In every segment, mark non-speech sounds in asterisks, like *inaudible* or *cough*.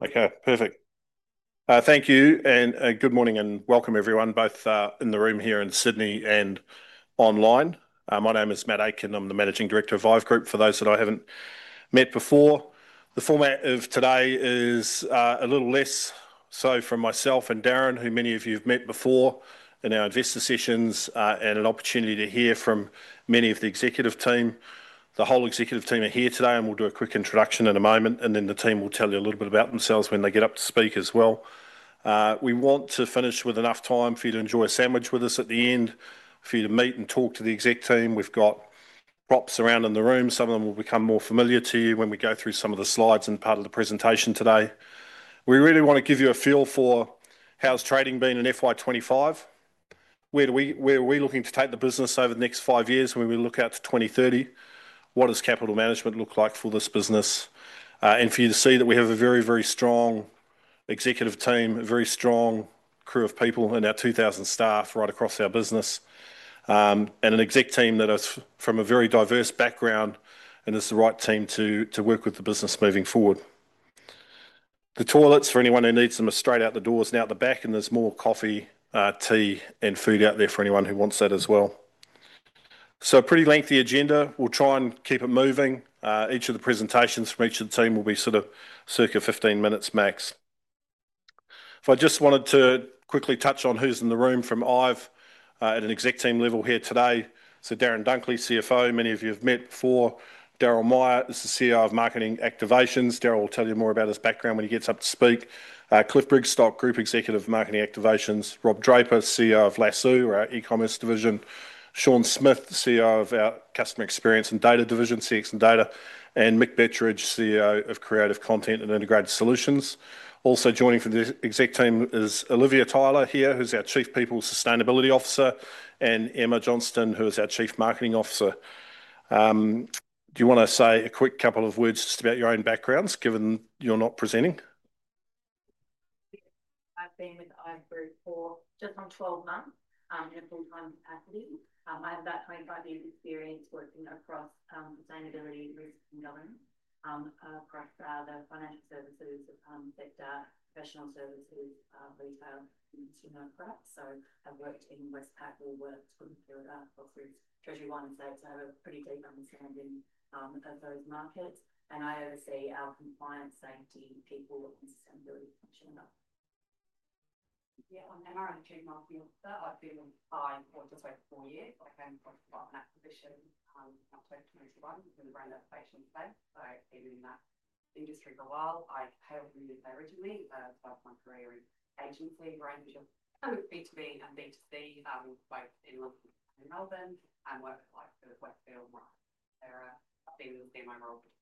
Okay, perfect. Thank you, and good morning and welcome, everyone, both in the room here in Sydney and online. My name is Matt Aitken. I'm the Managing Director of IVE Group for those that I haven't met before. The format of today is a little less so from myself and Darren, who many of you have met before in our investor sessions, and an opportunity to hear from many of the executive team. The whole executive team are here today, and we'll do a quick introduction in a moment, and then the team will tell you a little bit about themselves when they get up to speak as well. We want to finish with enough time for you to enjoy a sandwich with us at the end, for you to meet and talk to the exec team. We've got props around in the room. Some of them will become more familiar to you when we go through some of the slides and part of the presentation today. We really want to give you a feel for how's trading been in FY 2025. Where are we looking to take the business over the next five years when we look out to 2030? What does capital management look like for this business? For you to see that we have a very, very strong executive team, a very strong crew of people, and our 2,000 staff right across our business, and an exec team that are from a very diverse background, and it's the right team to work with the business moving forward. The toilets, for anyone who needs them, are straight out the doors and out the back, and there's more coffee, tea, and food out there for anyone who wants that as well. A pretty lengthy agenda. We'll try and keep it moving. Each of the presentations from each of the team will be sort of circa 15 minutes max. I just wanted to quickly touch on who's in the room from IVE at an exec team level here today. Darren Dunkley, CFO, many of you have met before. Darryl Meyer, this is CEO of Marketing Activations. Darryl will tell you more about his background when he gets up to speak. Cliff Brigstocke, Group Executive of Marketing Activations. Rob Draper, CEO of Lasoo, our eCommerce division. Sean Smith, CEO of our Customer Experience and Data division, CX & Data. Mick Bettridge, CEO of Creative, Content & Integrated Solutions. Also joining from the exec team is Olivia Tyler here, who's our Chief People & Sustainability Officer, and Emma Johnstone, who is our Chief Marketing Officer. Do you want to say a quick couple of words just about your own backgrounds, given you're not presenting? I've been with IVE Group for just under 12 months in a full-time capacity. I have about 25 years' experience working across sustainability, risk, and governance across the financial services sector, professional services, retail, consumer products. I have worked in Westpac, Woolworths, Crossroads, Treasury Wine Estates, so I have a pretty deep understanding of those markets. I oversee our compliance, safety, people, and sustainability function. Yeah, I'm Emma, and I'm a Chief Marketing Officer. I've been with IVE for just over four years. I came across the Department of Acquisition in 2021 within the Brand Application space. I've been in the industry for a while. I hail from the U.K. originally, so I've done my career in agency, range of B2B and B2C, both in London and Melbourne. I worked *audio distortion*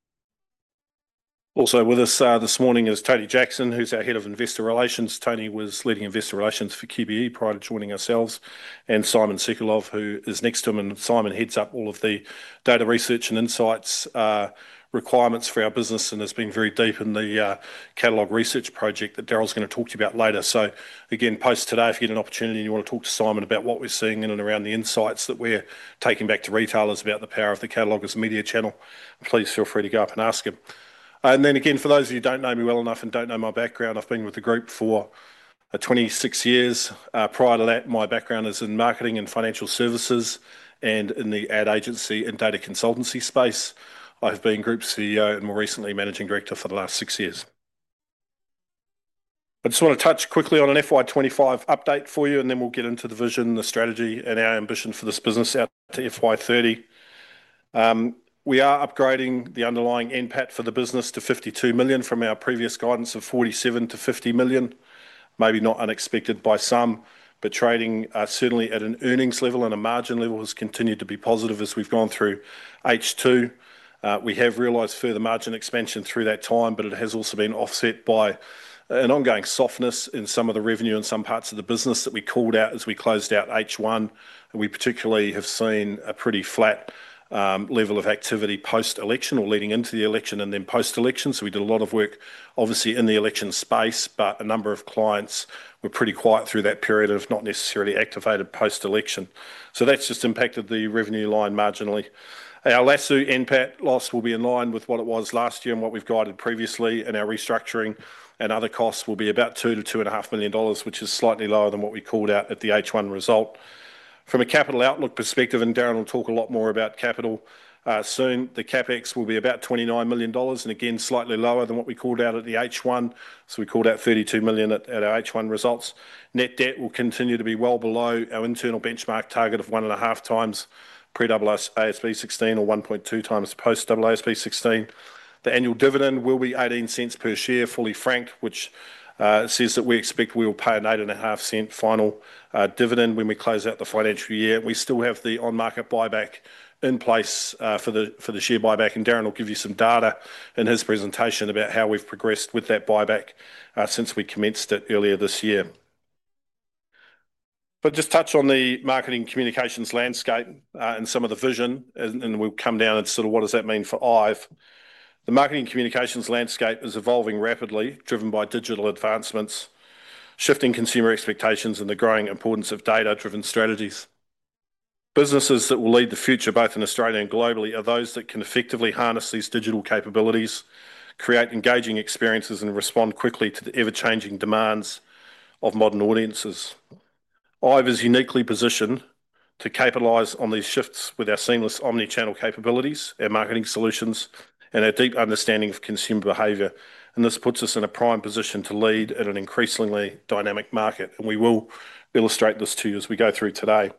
Also with us this morning is Tony Jackson, who's our Head of Investor Relations. Tony was leading Investor Relations for QBE prior to joining ourselves. And Simon Sekulov, who is next to him. Simon heads up all of the data research and insights requirements for our business and has been very deep in the catalogue research project that Darryl's going to talk to you about later. Again, post today, if you get an opportunity and you want to talk to Simon about what we're seeing in and around the insights that we're taking back to retailers about the power of the catalogue as a media channel, please feel free to go up and ask him. For those of you who don't know me well enough and don't know my background, I've been with the group for 26 years. Prior to that, my background is in marketing and financial services and in the ad agency and data consultancy space. I've been Group CEO and more recently Managing Director for the last six years. I just want to touch quickly on an FY 2025 update for you, and then we'll get into the vision, the strategy, and our ambition for this business out to FY 2030. We are upgrading the underlying NPAT for the business to 52 million from our previous guidance of 47 million-50 million. Maybe not unexpected by some, but trading certainly at an earnings level and a margin level has continued to be positive as we've gone through H2. We have realized further margin expansion through that time, but it has also been offset by an ongoing softness in some of the revenue in some parts of the business that we called out as we closed out H1. We particularly have seen a pretty flat level of activity post-election or leading into the election and then post-election. So we did a lot of work, obviously, in the election space, but a number of clients were pretty quiet through that period and have not necessarily activated post-election. So that's just impacted the revenue line marginally. Our Lasoo NPAT loss will be in line with what it was last year and what we've guided previously, and our restructuring and other costs will be about 2 million-2.5 million dollars, which is slightly lower than what we called out at the H1 result. From a capital outlook perspective, and Darren will talk a lot more about capital soon, the CapEx will be about 29 million dollars, and again, slightly lower than what we called out at the H1. So we called out 32 million at our H1 results. Net debt will continue to be well below our internal benchmark target of 1.5x pre-AASB 16 or 1.2x post-AASB 16. The annual dividend will be 0.18 per share, fully franked, which says that we expect we will pay an 0.085 final dividend when we close out the financial year. We still have the on-market buyback in place for the share buyback, and Darren will give you some data in his presentation about how we've progressed with that buyback since we commenced it earlier this year. Just touch on the marketing communications landscape and some of the vision, and we'll come down and sort of what does that mean for IVE. The marketing communications landscape is evolving rapidly, driven by digital advancements, shifting consumer expectations, and the growing importance of data-driven strategies. Businesses that will lead the future, both in Australia and globally, are those that can effectively harness these digital capabilities, create engaging experiences, and respond quickly to the ever-changing demands of modern audiences. IVE is uniquely positioned to capitalize on these shifts with our seamless omnichannel capabilities, our marketing solutions, and our deep understanding of consumer behavior. This puts us in a prime position to lead at an increasingly dynamic market, and we will illustrate this to you as we go through today.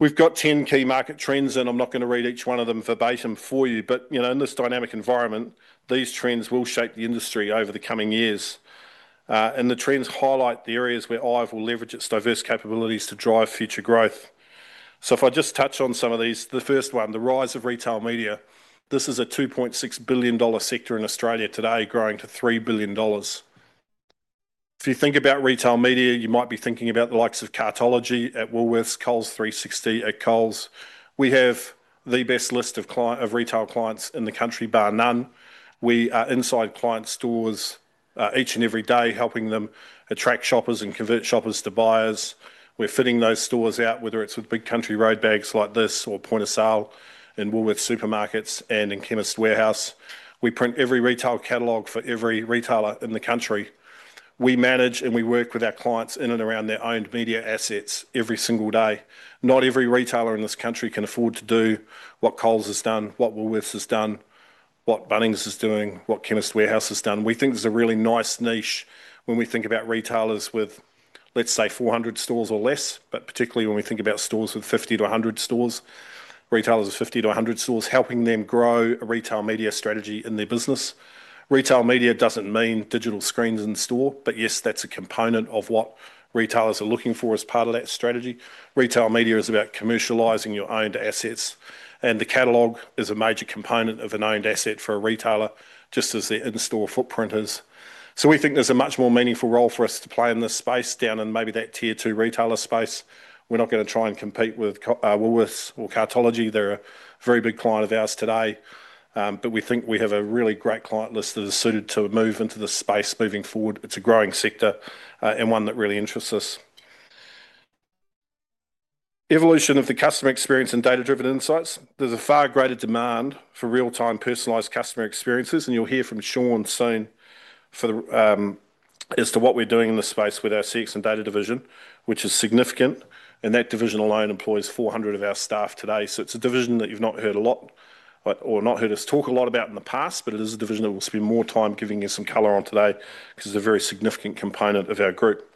We've got 10 key market trends, and I'm not going to read each one of them verbatim for you, but in this dynamic environment, these trends will shape the industry over the coming years. The trends highlight the areas where IVE will leverage its diverse capabilities to drive future growth. If I just touch on some of these, the first one, the rise of retail media. This is a 2.6 billion dollar sector in Australia today, growing to 3 billion dollars. If you think about retail media, you might be thinking about the likes of Cartology at Woolworths, Coles 360 at Coles. We have the best list of retail clients in the country, bar none. We are inside client stores each and every day, helping them attract shoppers and convert shoppers to buyers. We're fitting those stores out, whether it's with big Country Road bags like this or point of sale in Woolworths supermarkets and in Chemist Warehouse. We print every retail catalogue for every retailer in the country. We manage and we work with our clients in and around their own media assets every single day. Not every retailer in this country can afford to do what Coles has done, what Woolworths has done, what Bunnings is doing, what Chemist Warehouse has done. We think there's a really nice niche when we think about retailers with, let's say, 400 stores or less, but particularly when we think about stores with 50-100 stores, retailers with 50-100 stores, helping them grow a retail media strategy in their business. Retail media doesn't mean digital screens in store, but yes, that's a component of what retailers are looking for as part of that strategy. Retail media is about commercializing your owned assets, and the catalogue is a major component of an owned asset for a retailer, just as the in-store footprint is. We think there's a much more meaningful role for us to play in this space down in maybe that tier two retailer space. We're not going to try and compete with Woolworths or Cartology. They're a very big client of ours today, but we think we have a really great client list that is suited to move into this space moving forward. It's a growing sector and one that really interests us. Evolution of the customer experience and data-driven insights. There's a far greater demand for real-time personalised customer experiences, and you'll hear from Sean soon as to what we're doing in the space with our CX & Data division, which is significant. That division alone employs 400 of our staff today. It's a division that you've not heard a lot or not heard us talk a lot about in the past, but it is a division that we'll spend more time giving you some color on today because it's a very significant component of our group.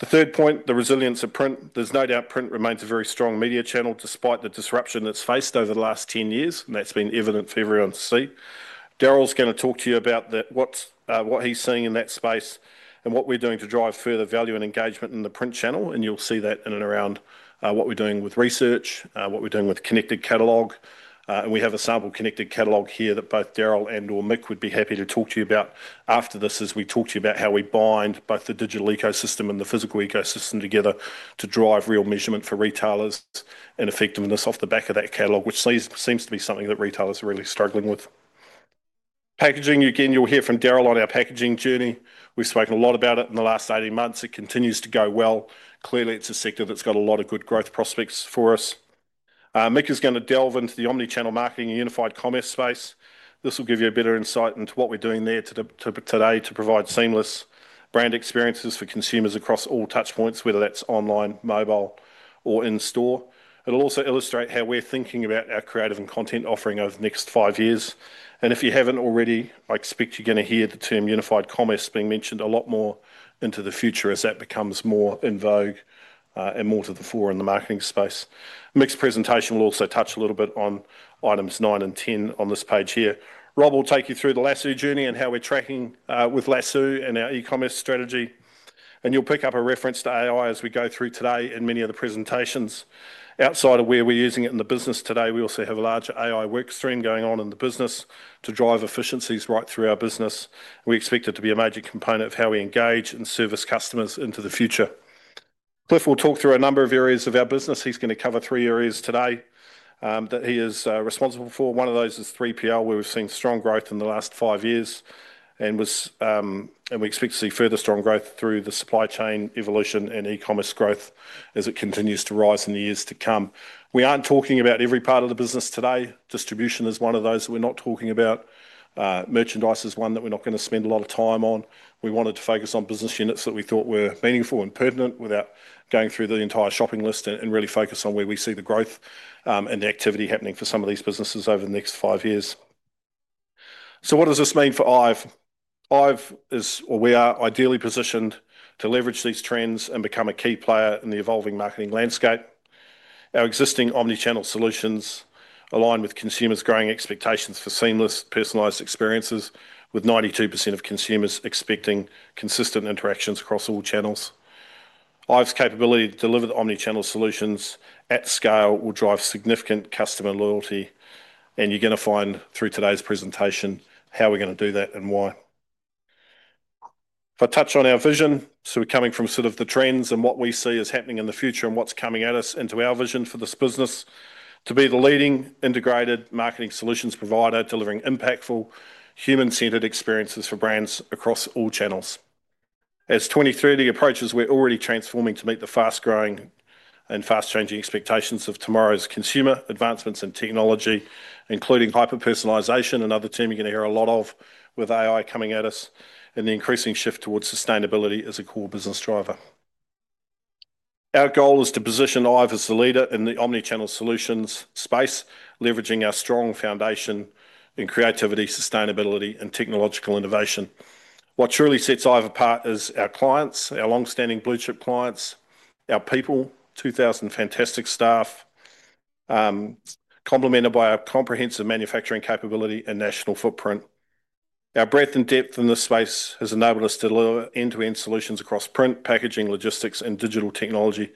The third point, the resilience of print. There's no doubt print remains a very strong media channel despite the disruption it's faced over the last 10 years, and that's been evident for everyone to see. Darryl's going to talk to you about what he's seeing in that space and what we're doing to drive further value and engagement in the print channel, and you'll see that in and around what we're doing with research, what we're doing with Connected Catalogue. We have a sample Connected Catalogue here that both Darryl and/or Mick would be happy to talk to you about after this as we talk to you about how we bind both the digital ecosystem and the physical ecosystem together to drive real measurement for retailers and effectiveness off the back of that catalogue, which seems to be something that retailers are really struggling with. Packaging, again, you'll hear from Darryl on our packaging journey. We've spoken a lot about it in the last 18 months. It continues to go well. Clearly, it's a sector that's got a lot of good growth prospects for us. Mick is going to delve into the omnichannel marketing and unified commerce space. This will give you a better insight into what we're doing there today to provide seamless brand experiences for consumers across all touchpoints, whether that's online, mobile, or in store. It will also illustrate how we're thinking about our creative and content offering over the next five years. If you haven't already, I expect you're going to hear the term unified commerce being mentioned a lot more into the future as that becomes more in vogue and more to the fore in the marketing space. Mick's presentation will also touch a little bit on items nine and 10 on this page here. Rob will take you through the Lasoo journey and how we're tracking with Lasoo and our e-commerce strategy. You'll pick up a reference to AI as we go through today in many of the presentations. Outside of where we're using it in the business today, we also have a larger AI workstream going on in the business to drive efficiencies right through our business. We expect it to be a major component of how we engage and service customers into the future. Cliff will talk through a number of areas of our business. He's going to cover three areas today that he is responsible for. One of those is 3PL, where we've seen strong growth in the last five years and we expect to see further strong growth through the supply chain evolution and e-commerce growth as it continues to rise in the years to come. We aren't talking about every part of the business today. Distribution is one of those that we're not talking about. Merchandise is one that we're not going to spend a lot of time on. We wanted to focus on business units that we thought were meaningful and pertinent without going through the entire shopping list and really focus on where we see the growth and the activity happening for some of these businesses over the next five years. What does this mean for IVE? IVE is, or we are, ideally positioned to leverage these trends and become a key player in the evolving marketing landscape. Our existing omnichannel solutions align with consumers' growing expectations for seamless personalized experiences, with 92% of consumers expecting consistent interactions across all channels. IVE's capability to deliver the omnichannel solutions at scale will drive significant customer loyalty, and you're going to find through today's presentation how we're going to do that and why. If I touch on our vision, so we're coming from sort of the trends and what we see as happening in the future and what's coming at us into our vision for this business to be the leading integrated marketing solutions provider delivering impactful human-centered experiences for brands across all channels. As 2030 approaches, we're already transforming to meet the fast-growing and fast-changing expectations of tomorrow's consumer. Advancements in technology, including hyper-personalization and other terms you're going to hear a lot of with AI coming at us, and the increasing shift towards sustainability as a core business driver. Our goal is to position IVE as the leader in the omnichannel solutions space, leveraging our strong foundation in creativity, sustainability, and technological innovation. What truly sets IVE apart is our clients, our long-standing blue-chip clients, our people, 2,000 fantastic staff, complemented by our comprehensive manufacturing capability and national footprint. Our breadth and depth in this space has enabled us to deliver end-to-end solutions across print, packaging, logistics, and digital technology,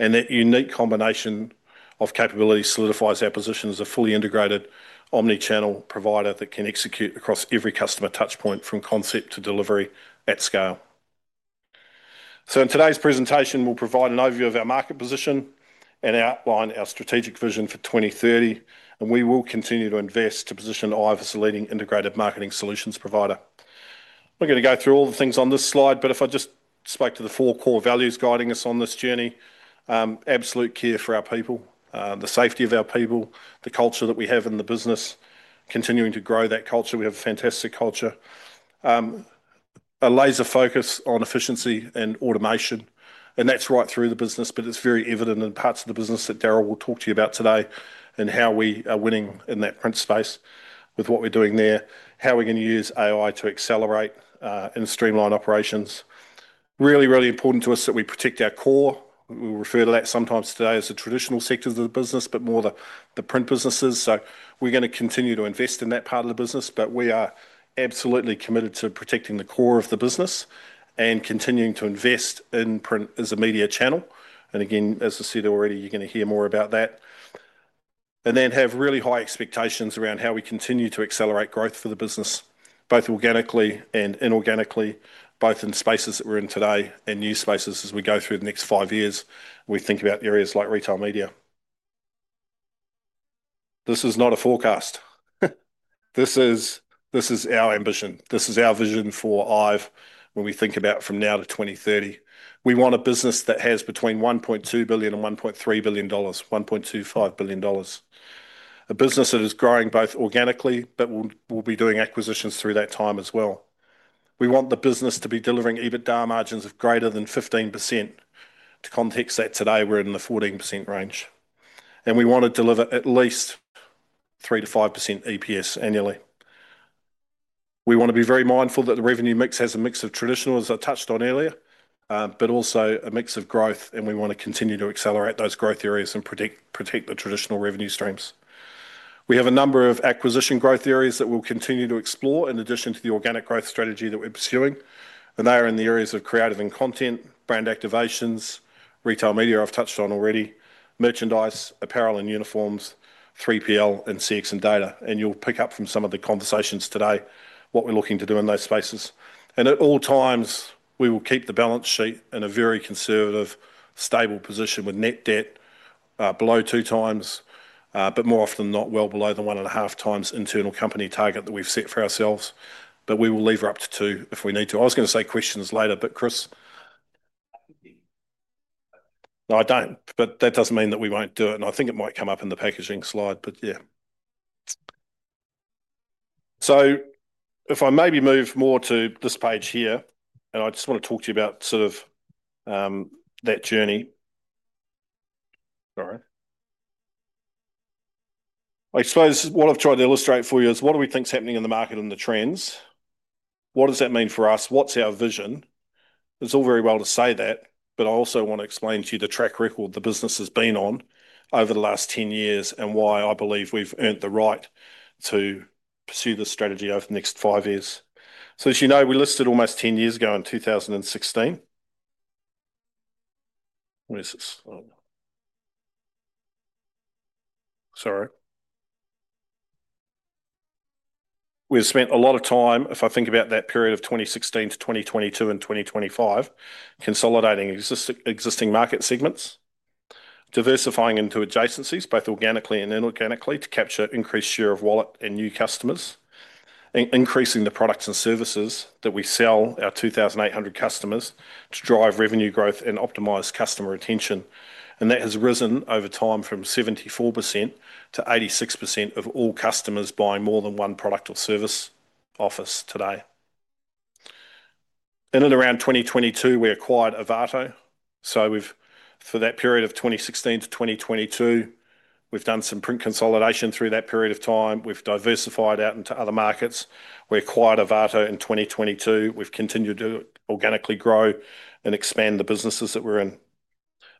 and that unique combination of capability solidifies our position as a fully integrated omnichannel provider that can execute across every customer touchpoint from concept to delivery at scale. In today's presentation, we'll provide an overview of our market position and outline our strategic vision for 2030, and we will continue to invest to position IVE as a leading integrated marketing solutions provider. We're going to go through all the things on this slide, but if I just spoke to the four core values guiding us on this journey, absolute care for our people, the safety of our people, the culture that we have in the business, continuing to grow that culture. We have a fantastic culture, a laser focus on efficiency and automation, and that's right through the business, but it's very evident in parts of the business that Darryl will talk to you about today and how we are winning in that print space with what we're doing there, how we're going to use AI to accelerate and streamline operations. Really, really important to us that we protect our core. We'll refer to that sometimes today as the traditional sectors of the business, but more the print businesses. We're going to continue to invest in that part of the business, but we are absolutely committed to protecting the core of the business and continuing to invest in print as a media channel. Again, as I said already, you're going to hear more about that. We have really high expectations around how we continue to accelerate growth for the business, both organically and inorganically, both in spaces that we're in today and new spaces as we go through the next five years when we think about areas like retail media. This is not a forecast. This is our ambition. This is our vision for IVE when we think about from now to 2030. We want a business that has between 1.2 billion and 1.3 billion dollars, 1.25 billion dollars. A business that is growing both organically, but we will be doing acquisitions through that time as well. We want the business to be delivering EBITDA margins of greater than 15%. To context that today, we are in the 14% range. We want to deliver at least 3%-5% EPS annually. We want to be very mindful that the revenue mix has a mix of traditional, as I touched on earlier, but also a mix of growth, and we want to continue to accelerate those growth areas and protect the traditional revenue streams. We have a number of acquisition growth areas that we'll continue to explore in addition to the organic growth strategy that we're pursuing, and they are in the areas of creative and content, brand activations, retail media I've touched on already, merchandise, apparel and uniforms, 3PL and CX & Data. You will pick up from some of the conversations today what we're looking to do in those spaces. At all times, we will keep the balance sheet in a very conservative, stable position with net debt below two times, but more often than not well below the 1.5x internal company target that we've set for ourselves, but we will lever up to two if we need to. I was going to say questions later, but Chris. No, I don't, but that doesn't mean that we won't do it, and I think it might come up in the packaging slide, but yeah. If I maybe move more to this page here, I just want to talk to you about sort of that journey. Sorry. I suppose what I've tried to illustrate for you is what do we think's happening in the market and the trends? What does that mean for us? What's our vision? It's all very well to say that, but I also want to explain to you the track record the business has been on over the last 10 years and why I believe we've earned the right to pursue this strategy over the next five years. As you know, we listed almost 10 years ago in 2016. Sorry. We've spent a lot of time, if I think about that period of 2016 to 2022 and 2025, consolidating existing market segments, diversifying into adjacencies both organically and inorganically to capture increased share of wallet and new customers, increasing the products and services that we sell, our 2,800 customers, to drive revenue growth and optimize customer retention. That has risen over time from 74% to 86% of all customers buying more than one product or service of us today. In around 2022, we acquired Ovato. For that period of 2016 to 2022, we've done some print consolidation through that period of time. We've diversified out into other markets. We acquired Ovato in 2022. We've continued to organically grow and expand the businesses that we're in.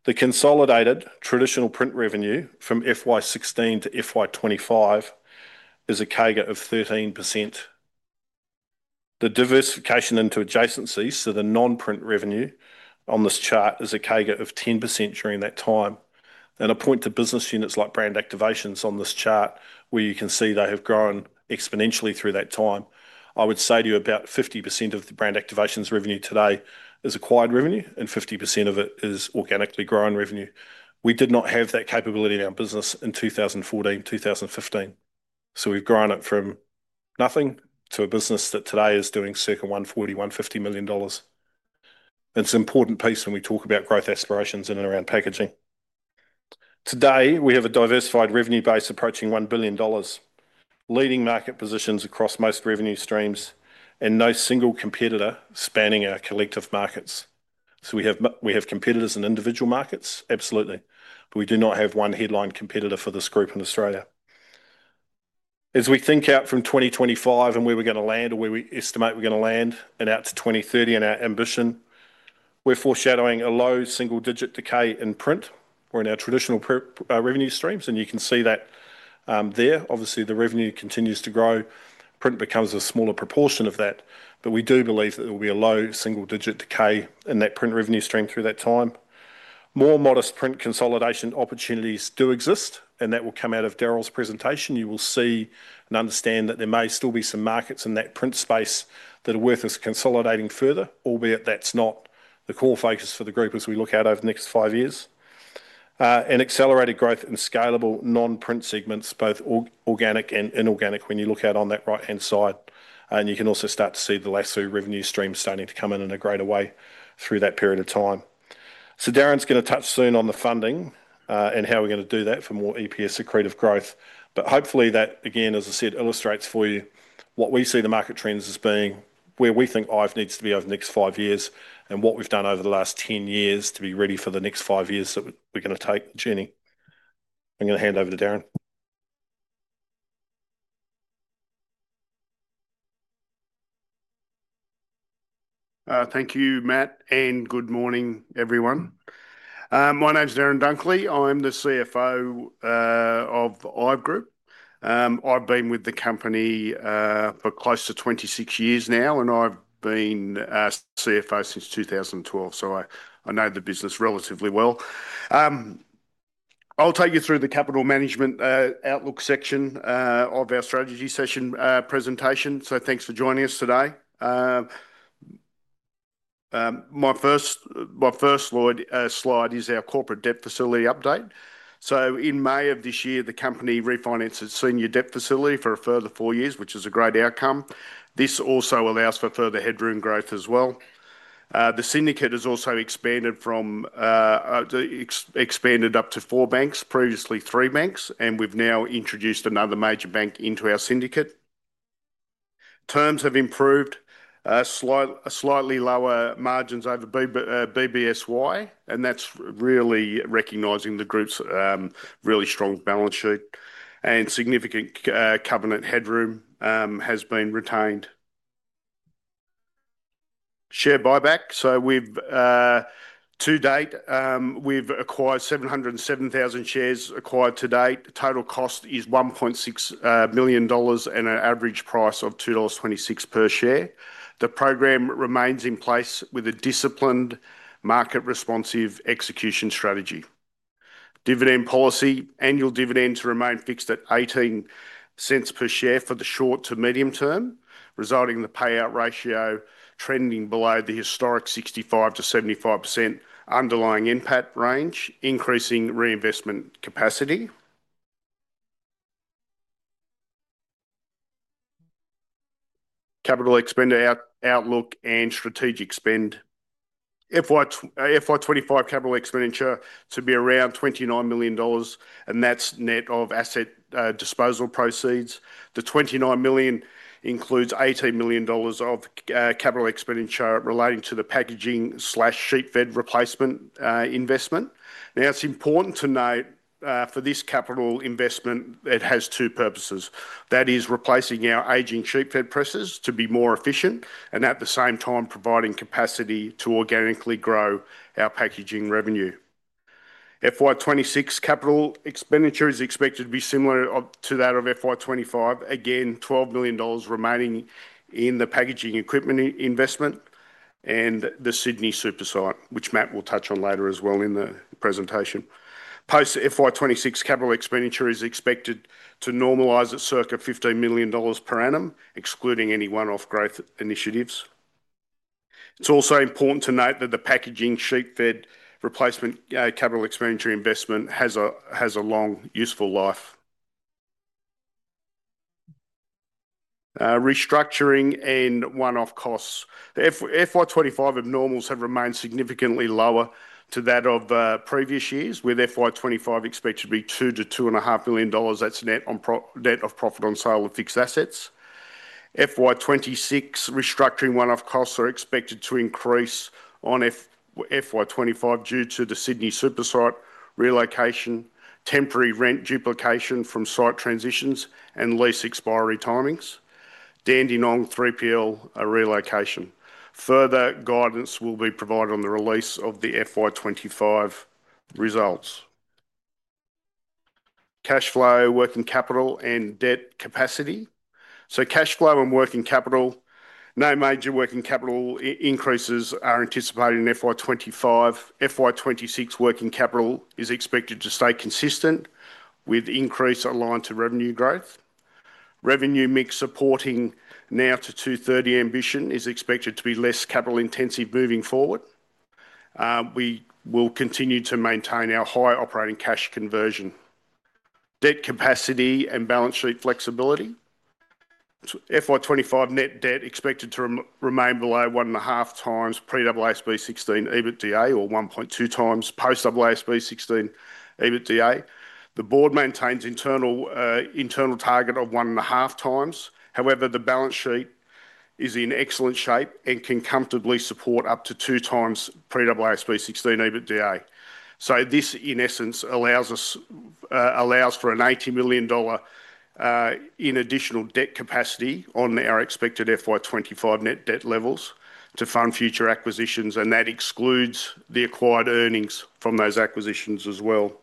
The consolidated traditional print revenue from FY 2016 to FY 2025 is a CAGR of 13%. The diversification into adjacencies, so the non-print revenue on this chart is a CAGR of 10% during that time. I point to business units like brand activations on this chart where you can see they have grown exponentially through that time. I would say to you about 50% of the brand activations revenue today is acquired revenue, and 50% of it is organically grown revenue. We did not have that capability in our business in 2014, 2015. We have grown it from nothing to a business that today is doing circa 140 million-150 million dollars. It is an important piece when we talk about growth aspirations in and around packaging. Today, we have a diversified revenue base approaching 1 billion dollars, leading market positions across most revenue streams, and no single competitor spanning our collective markets. We have competitors in individual markets, absolutely, but we do not have one headline competitor for this group in Australia. As we think out from 2025 and where we're going to land or where we estimate we're going to land in out to 2030 and our ambition, we're foreshadowing a low single-digit decay in print. We're in our traditional revenue streams, and you can see that there. Obviously, the revenue continues to grow. Print becomes a smaller proportion of that, but we do believe that there will be a low single-digit decay in that print revenue stream through that time. More modest print consolidation opportunities do exist, and that will come out of Darryl's presentation. You will see and understand that there may still be some markets in that print space that are worth us consolidating further, albeit that is not the core focus for the group as we look out over the next five years. Accelerated growth in scalable non-print segments, both organic and inorganic, when you look out on that right-hand side. You can also start to see the Lasoo revenue stream starting to come in in a greater way through that period of time. Darren is going to touch soon on the funding and how we are going to do that for more EPS accretive growth. But hopefully that, again, as I said, illustrates for you what we see the market trends as being, where we think IVE needs to be over the next five years and what we've done over the last 10 years to be ready for the next five years that we're going to take the journey. I'm going to hand over to Darren. Thank you, Matt, and good morning, everyone. My name's Darren Dunkley. I'm the CFO of IVE Group. I've been with the company for close to 26 years now, and I've been CFO since 2012, so I know the business relatively well. I'll take you through the capital management outlook section of our strategy session presentation. Thanks for joining us today. My first slide is our corporate debt facility update. In May of this year, the company refinanced its senior debt facility for a further four years, which is a great outcome. This also allows for further headroom growth as well. The syndicate has also expanded up to four banks, previously three banks, and we've now introduced another major bank into our syndicate. Terms have improved, slightly lower margins over BBSY, and that's really recognizing the group's really strong balance sheet and significant covenant headroom has been retained. Share buyback. To date, we've acquired 707,000 shares acquired to date. Total cost is 1.6 million dollars and an average price of 2.26 dollars per share. The program remains in place with a disciplined, market-responsive execution strategy. Dividend policy. Annual dividends remain fixed at 0.18 per share for the short to medium term, resulting in the payout ratio trending below the historic 65%-75% underlying impact range, increasing reinvestment capacity. Capital expender outlook and strategic spend. FY 2025 capital expenditure to be around 29 million dollars, and that's net of asset disposal proceeds. The 29 million includes 18 million dollars of capital expenditure relating to the packaging/sheet fed replacement investment. Now, it's important to note for this capital investment, it has two purposes. That is replacing our aging sheet fed presses to be more efficient and at the same time providing capacity to organically grow our packaging revenue. FY 2026 capital expenditure is expected to be similar to that of FY 2025. Again, AUD 12 million remaining in the packaging equipment investment and the Sydney supersite, which Matt will touch on later as well in the presentation. Post FY 2026, capital expenditure is expected to normalise at circa 15 million dollars per annum, excluding any one-off growth initiatives. It's also important to note that the packaging sheet fed replacement capital expenditure investment has a long useful life. Restructuring and one-off costs. FY 2025 abnormals have remained significantly lower to that of previous years, with FY 2025 expected to be 2 million-2.5 million dollars. That's net of profit on sale of fixed assets. FY 2026 restructuring one-off costs are expected to increase on FY 2025 due to the Sydney supersite relocation, temporary rent duplication from site transitions, and lease expiry timings. Dandenong South 3PL relocation. Further guidance will be provided on the release of the FY 2025 results. Cash flow, working capital, and debt capacity. Cash flow and working capital. No major working capital increases are anticipated in FY 2025. FY 2026 working capital is expected to stay consistent with increase aligned to revenue growth. Revenue mix supporting now to 230 ambition is expected to be less capital intensive moving forward. We will continue to maintain our high operating cash conversion. Debt capacity and balance sheet flexibility. FY25 net debt expected to remain below 1.5x pre-AASB 16 EBITDA or 1.2x post-AASB 16 EBITDA. The Board maintains internal target of 1.5x. However, the balance sheet is in excellent shape and can comfortably support up to 2x pre-AASB 16 EBITDA. This, in essence, allows for an 90 million dollar in additional debt capacity on our expected FY 2025 net debt levels to fund future acquisitions, and that excludes the acquired earnings from those acquisitions as well.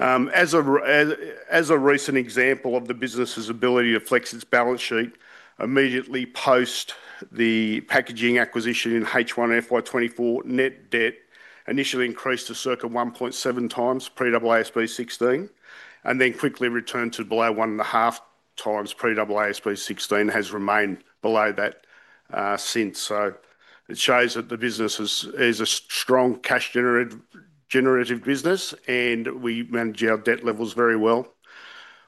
As a recent example of the business's ability to flex its balance sheet, immediately post the packaging acquisition in H1 and FY 2024, net debt initially increased to circa 1.7x pre-AASB 16 and then quickly returned to below 1.5x pre-AASB 16, has remained below that since. It shows that the business is a strong cash-generative business, and we manage our debt levels very well.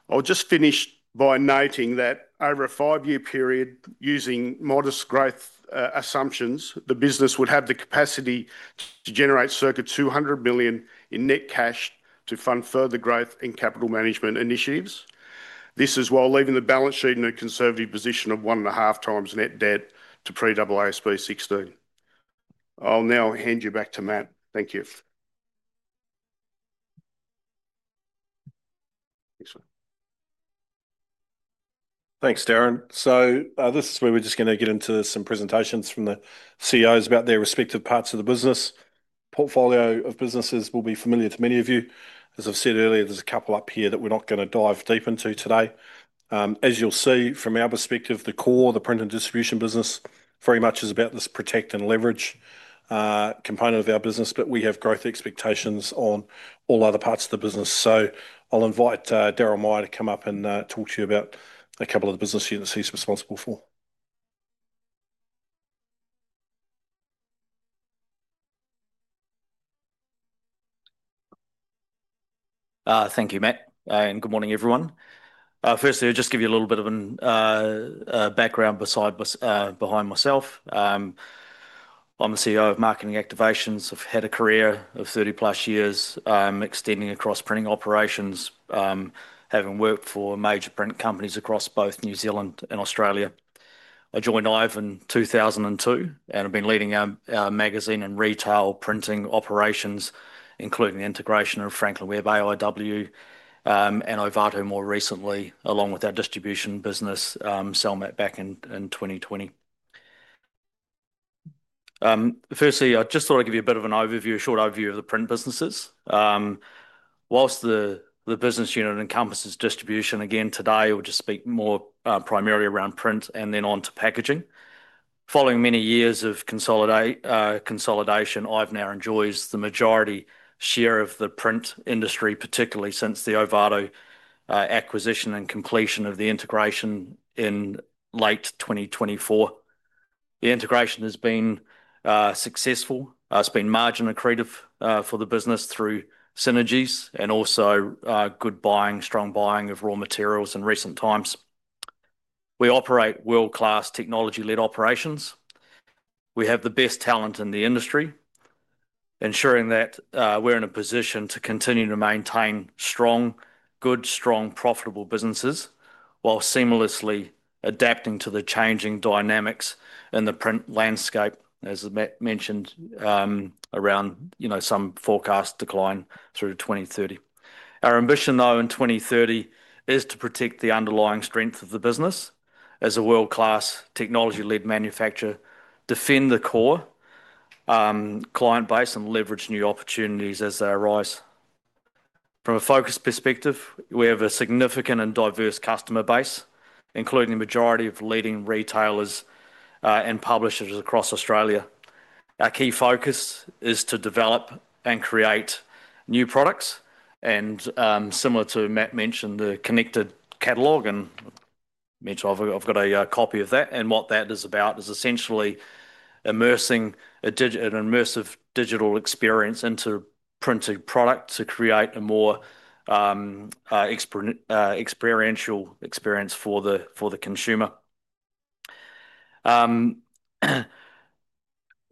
I'll just finish by noting that over a five-year period, using modest growth assumptions, the business would have the capacity to generate circa 200 million in net cash to fund further growth in capital management initiatives. This is while leaving the balance sheet in a conservative position of 1.5x net debt to pre-AASB 16. I'll now hand you back to Matt. Thank you. Thanks, Darren. This is where we're just going to get into some presentations from the CEOs about their respective parts of the business. Portfolio of businesses will be familiar to many of you. As I've said earlier, there's a couple up here that we're not going to dive deep into today. As you'll see from our perspective, the core, the print and distribution business very much is about this protect and leverage component of our business, but we have growth expectations on all other parts of the business. I'll invite Darryl Meyer to come up and talk to you about a couple of the business units he's responsible for. Thank you, Matt. Good morning, everyone. Firstly, I'll just give you a little bit of background behind myself. I'm the CEO of Marketing Activations. I've had a career of 30+ years extending across printing operations, having worked for major print companies across both New Zealand and Australia. I joined IVE in 2002 and have been leading our magazine and retail printing operations, including the integration of Franklin Web, IW, and Ovato more recently, along with our distribution business, Celmac, back in 2020. Firstly, I just thought I'd give you a bit of an overview, a short overview of the print businesses. Whilst the business unit encompasses distribution, again, today we'll just speak more primarily around print and then on to packaging. Following many years of consolidation, IVE now enjoys the majority share of the print industry, particularly since the Ovato acquisition and completion of the integration in late 2024. The integration has been successful. It's been margin accretive for the business through synergies and also good buying, strong buying of raw materials in recent times. We operate world-class technology-led operations. We have the best talent in the industry, ensuring that we're in a position to continue to maintain strong, good, strong, profitable businesses while seamlessly adapting to the changing dynamics in the print landscape, as Matt mentioned, around some forecast decline through 2030. Our ambition, though, in 2030 is to protect the underlying strength of the business as a world-class technology-led manufacturer, defend the core client base, and leverage new opportunities as they arise. From a focus perspective, we have a significant and diverse customer base, including the majority of leading retailers and publishers across Australia. Our key focus is to develop and create new products. Similar to what Matt mentioned, the Connected Catalogue, and I have got a copy of that. What that is about is essentially immersing an immersive digital experience into printed product to create a more experiential experience for the consumer.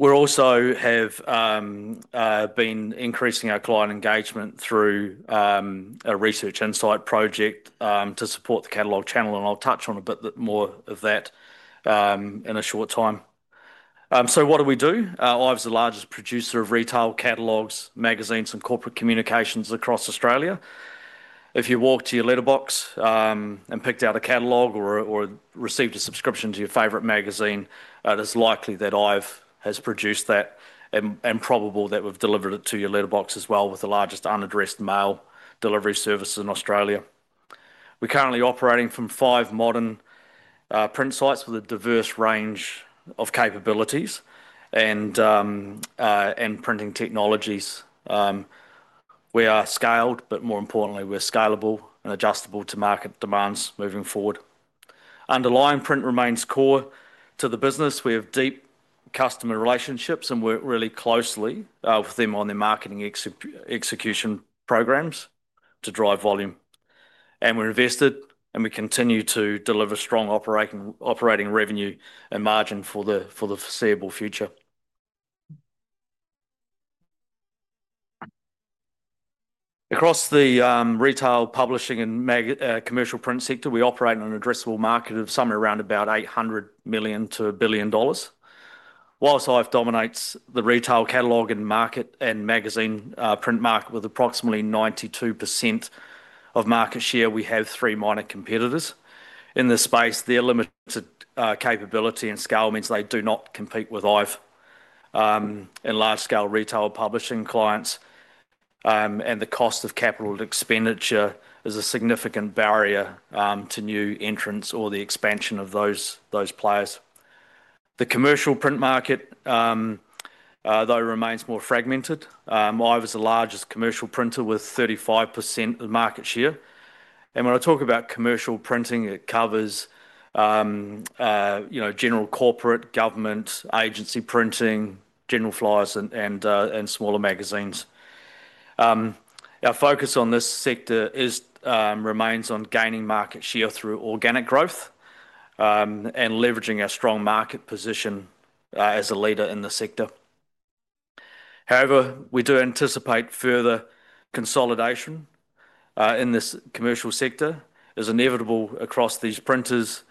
We also have been increasing our client engagement through a research insight project to support the catalogue channel, and I will touch on a bit more of that in a short time. What do we do? IVE is the largest producer of retail catalogs, magazines, and corporate communications across Australia. If you walked to your letterbox and picked out a catalog or received a subscription to your favorite magazine, it is likely that IVE has produced that, and probable that we've delivered it to your letterbox as well with the largest unaddressed mail delivery services in Australia. We're currently operating from five modern print sites with a diverse range of capabilities and printing technologies. We are scaled, but more importantly, we're scalable and adjustable to market demands moving forward. Underlying print remains core to the business. We have deep customer relationships and work really closely with them on their marketing execution programs to drive volume. We're invested, and we continue to deliver strong operating revenue and margin for the foreseeable future. Across the retail, publishing, and commercial print sector, we operate in an addressable market of somewhere around about 800 million to 1 billion dollars. Whilst IVE dominates the retail catalog and magazine print market with approximately 92% of market share, we have three minor competitors in the space. Their limited capability and scale means they do not compete with IVE and large-scale retail publishing clients. The cost of capital expenditure is a significant barrier to new entrants or the expansion of those players. The commercial print market, though, remains more fragmented. IVE is the largest commercial printer with 35% of market share. When I talk about commercial printing, it covers general corporate, government, agency printing, general flyers, and smaller magazines. Our focus on this sector remains on gaining market share through organic growth and leveraging our strong market position as a leader in the sector. However, we do anticipate further consolidation in this commercial sector. It's inevitable across these printers,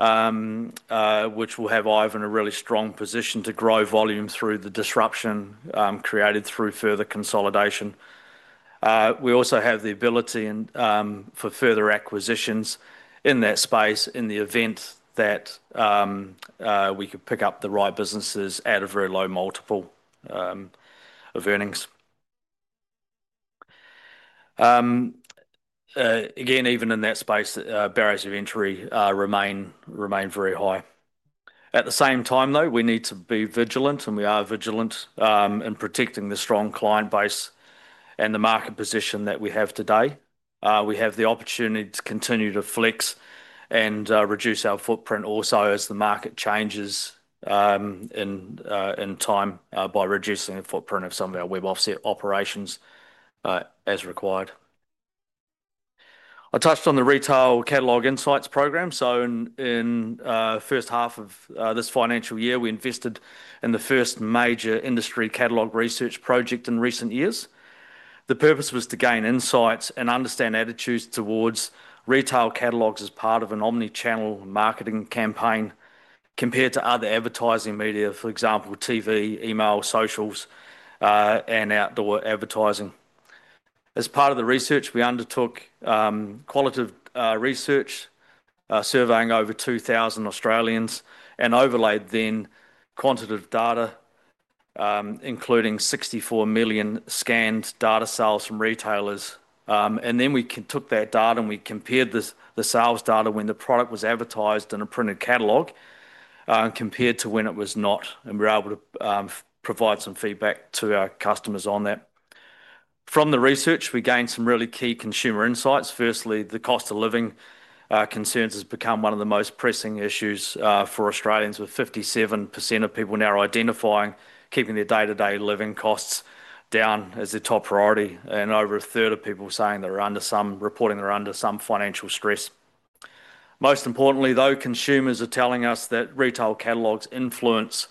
which will have IVE in a really strong position to grow volume through the disruption created through further consolidation. We also have the ability for further acquisitions in that space in the event that we could pick up the right businesses at a very low multiple of earnings. Again, even in that space, barriers of entry remain very high. At the same time, though, we need to be vigilant, and we are vigilant in protecting the strong client base and the market position that we have today. We have the opportunity to continue to flex and reduce our footprint also as the market changes in time by reducing the footprint of some of our web offset operations as required. I touched on the retail catalog insights program. In the first half of this financial year, we invested in the first major industry catalog research project in recent years. The purpose was to gain insights and understand attitudes towards retail catalogs as part of an omnichannel marketing campaign compared to other advertising media, for example, TV, email, socials, and outdoor advertising. As part of the research, we undertook qualitative research surveying over 2,000 Australians and overlaid then quantitative data, including 64 million scanned data sales from retailers. We took that data and we compared the sales data when the product was advertised in a printed catalog compared to when it was not, and we were able to provide some feedback to our customers on that. From the research, we gained some really key consumer insights. Firstly, the cost of living concerns has become one of the most pressing issues for Australians, with 57% of people now identifying keeping their day-to-day living costs down as their top priority, and over a third of people reporting they're under some financial stress. Most importantly, though, consumers are telling us that retail catalogs influence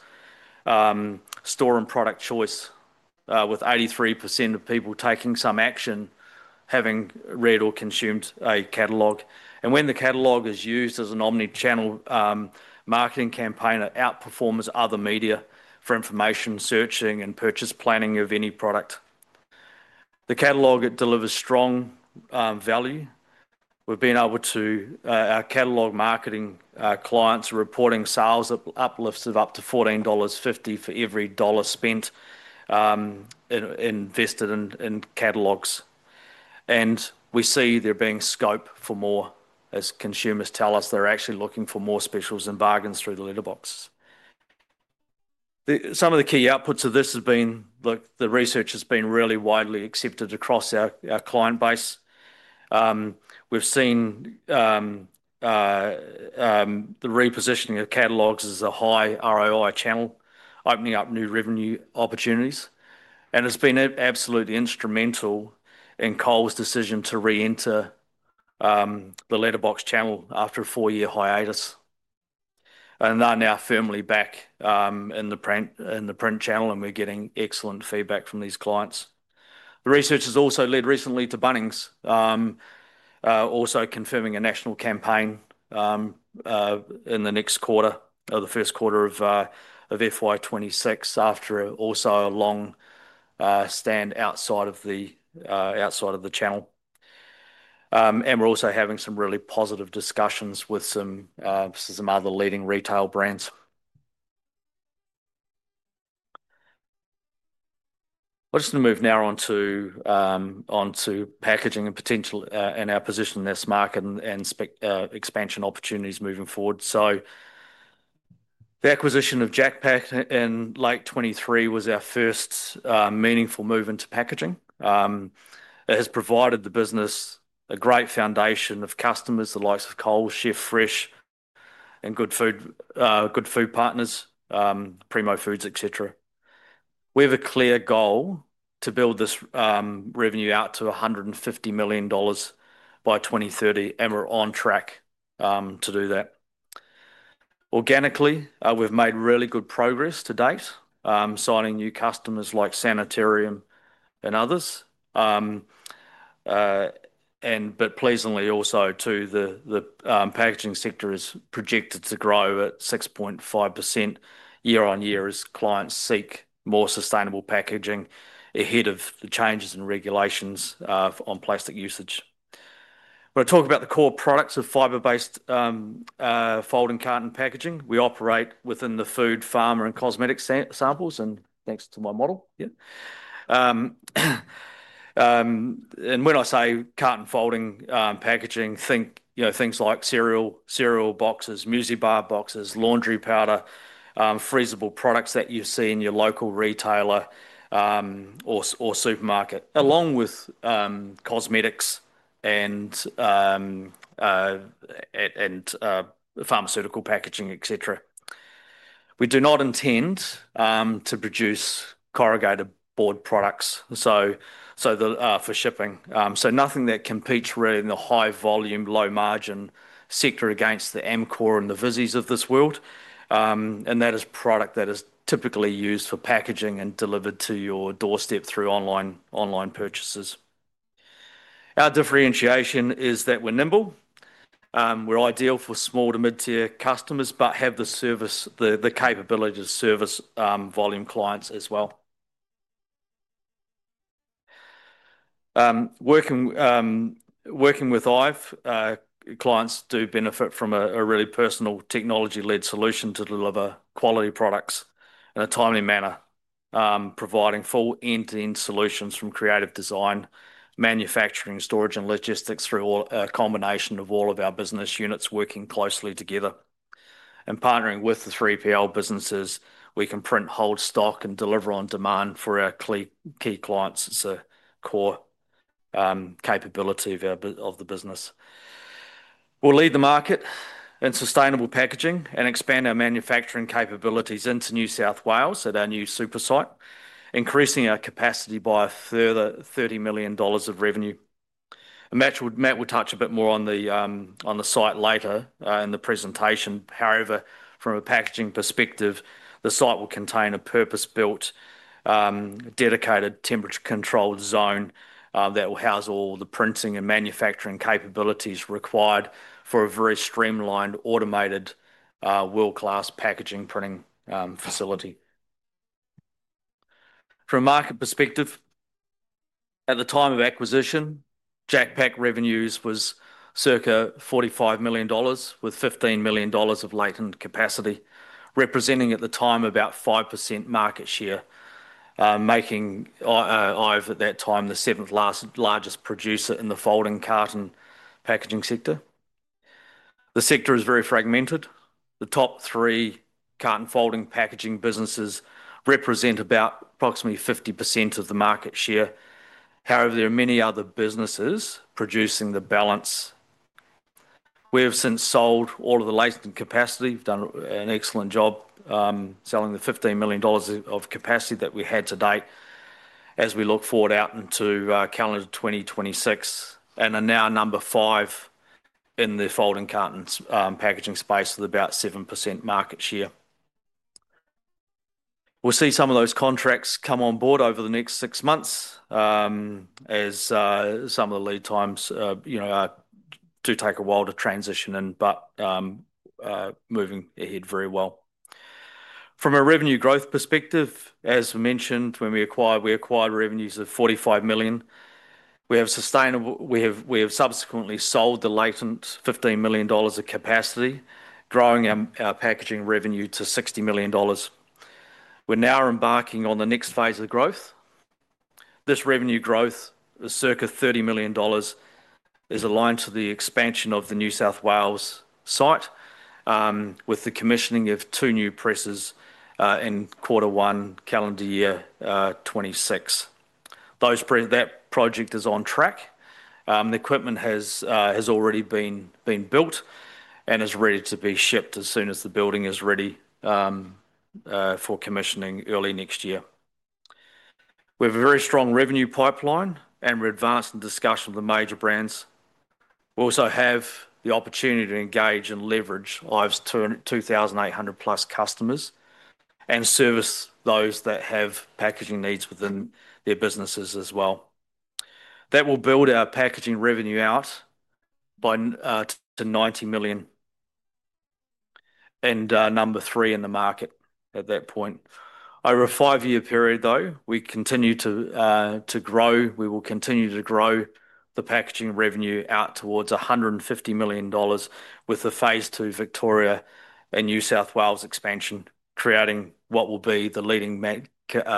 store and product choice, with 83% of people taking some action having read or consumed a catalog. When the catalog is used as an omnichannel marketing campaign, it outperforms other media for information searching and purchase planning of any product. The catalog, it delivers strong value. We've been able to, our catalog marketing clients are reporting sales uplifts of up to 14.50 dollars for every dollar spent invested in catalogs. We see there being scope for more as consumers tell us they're actually looking for more specials and bargains through the letterbox. Some of the key outputs of this have been the research has been really widely accepted across our client base. We've seen the repositioning of catalogs as a high ROI channel opening up new revenue opportunities. It has been absolutely instrumental in Coles' decision to re-enter the letterbox channel after a four-year hiatus. They are now firmly back in the print channel, and we're getting excellent feedback from these clients. The research has also led recently to Bunnings also confirming a national campaign in the next quarter of the first quarter of FY 2026 after also a long stand outside of the channel. We are also having some really positive discussions with some other leading retail brands. I'll just move now on to packaging and our position in this market and expansion opportunities moving forward. The acquisition of JacPak in late 2023 was our first meaningful move into packaging. It has provided the business a great foundation of customers, the likes of Coles, Chef Fresh, and Good Food Partners, Primo Foods, etc. We have a clear goal to build this revenue out to 150 million dollars by 2030, and we're on track to do that. Organically, we've made really good progress to date, signing new customers like Sanitarium and others. Pleasantly also, too, the packaging sector is projected to grow at 6.5% year on year as clients seek more sustainable packaging ahead of the changes in regulations on plastic usage. We'll talk about the core products of fiber-based folding carton packaging. We operate within the food, pharma, and cosmetic samples, and thanks to my model. When I say folding carton packaging, think things like cereal boxes, muesli bar boxes, laundry powder, freezable products that you see in your local retailer or supermarket, along with cosmetics and pharmaceutical packaging, etc. We do not intend to produce corrugated board products for shipping. Nothing that competes really in the high volume, low margin sector against the Amcor and the Visy of this world. That is product that is typically used for packaging and delivered to your doorstep through online purchases. Our differentiation is that we're nimble. We're ideal for small to mid-tier customers but have the capability to service volume clients as well. Working with IVE, clients do benefit from a really personal technology-led solution to deliver quality products in a timely manner, providing full end-to-end solutions from creative design, manufacturing, storage, and logistics through a combination of all of our business units working closely together. Partnering with the 3PL businesses, we can print, hold stock, and deliver on demand for our key clients. It's a core capability of the business. We will lead the market in sustainable packaging and expand our manufacturing capabilities into New South Wales at our new super site, increasing our capacity by a further 30 million dollars of revenue. Matt will touch a bit more on the site later in the presentation. However, from a packaging perspective, the site will contain a purpose-built, dedicated temperature-controlled zone that will house all the printing and manufacturing capabilities required for a very streamlined, automated, world-class packaging printing facility. From a market perspective, at the time of acquisition, JacPak revenues was circa 45 million dollars with 15 million dollars of latent capacity, representing at the time about 5% market share, making IVE at that time the seventh-largest producer in the folding carton packaging sector. The sector is very fragmented. The top three carton folding packaging businesses represent about approximately 50% of the market share. However, there are many other businesses producing the balance. We have since sold all of the latent capacity. We've done an excellent job selling the 15 million dollars of capacity that we had to date as we look forward out into calendar 2026 and are now number five in the folding cartons packaging space with about 7% market share. We'll see some of those contracts come on board over the next six months as some of the lead times do take a while to transition in, but moving ahead very well. From a revenue growth perspective, as mentioned, when we acquired, we acquired revenues of 45 million. We have subsequently sold the latent 15 million dollars of capacity, growing our packaging revenue to 60 million dollars. We're now embarking on the next phase of growth. This revenue growth of circa 30 million dollars is aligned to the expansion of the New South Wales site with the commissioning of two new presses in quarter one, calendar year 2026. That project is on track. The equipment has already been built and is ready to be shipped as soon as the building is ready for commissioning early next year. We have a very strong revenue pipeline, and we're advanced in discussion with the major brands. We also have the opportunity to engage and leverage IVE's 2,800+ customers and service those that have packaging needs within their businesses as well. That will build our packaging revenue out to 90 million and number three in the market at that point. Over a five-year period, though, we continue to grow. We will continue to grow the packaging revenue out towards 150 million dollars with the phase two Victoria and New South Wales expansion, creating what will be the leading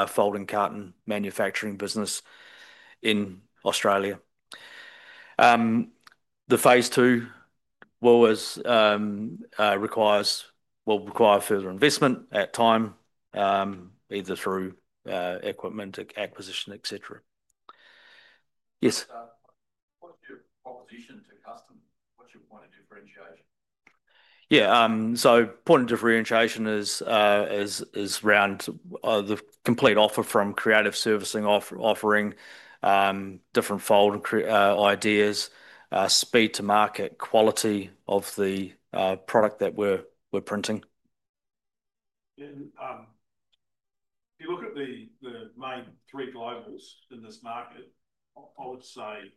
folding carton manufacturing business in Australia. The phase two will require further investment at time, either through equipment acquisition, etc. Yes? What's your proposition to customers? What's your point of differentiation? Yeah. So point of differentiation is around the complete offer from creative servicing offering, different fold ideas, speed to market, quality of the product that we're printing. If you look at the main three globals in this market, I would say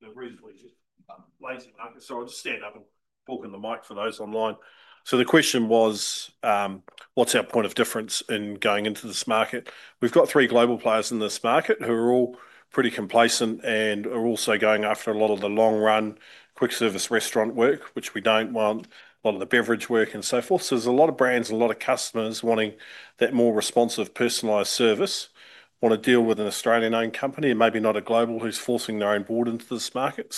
they're reasonably lazy markets. I'll just stand up and fork in the mic for those online. The question was, what's our point of difference in going into this market? We've got three global players in this market who are all pretty complacent and are also going after a lot of the long-run quick-service restaurant work, which we don't want, a lot of the beverage work and so forth. There are a lot of brands, a lot of customers wanting that more responsive, personalized service, want to deal with an Australian-owned company and maybe not a global who's forcing their own board into this market.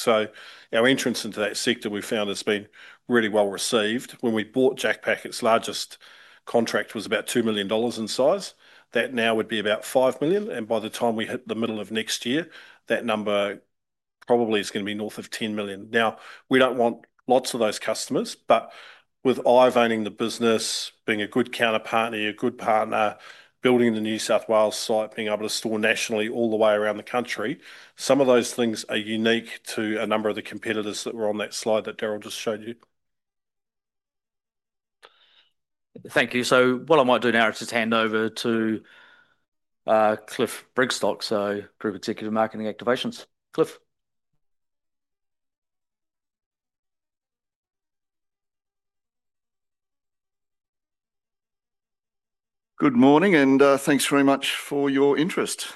Our entrance into that sector, we found, has been really well received. When we bought JacPak, its largest contract was about 2 million dollars in size. That now would be about 5 million. By the time we hit the middle of next year, that number probably is going to be north of 10 million. We do not want lots of those customers, but with IVE owning the business, being a good counterpartner, a good partner, building the New South Wales site, being able to store nationally all the way around the country, some of those things are unique to a number of the competitors that were on that slide that Darryl just showed you. Thank you. What I might do now is just hand over to Cliff Brigstocke, Group Executive Marketing Activations. Cliff. Good morning, and thanks very much for your interest.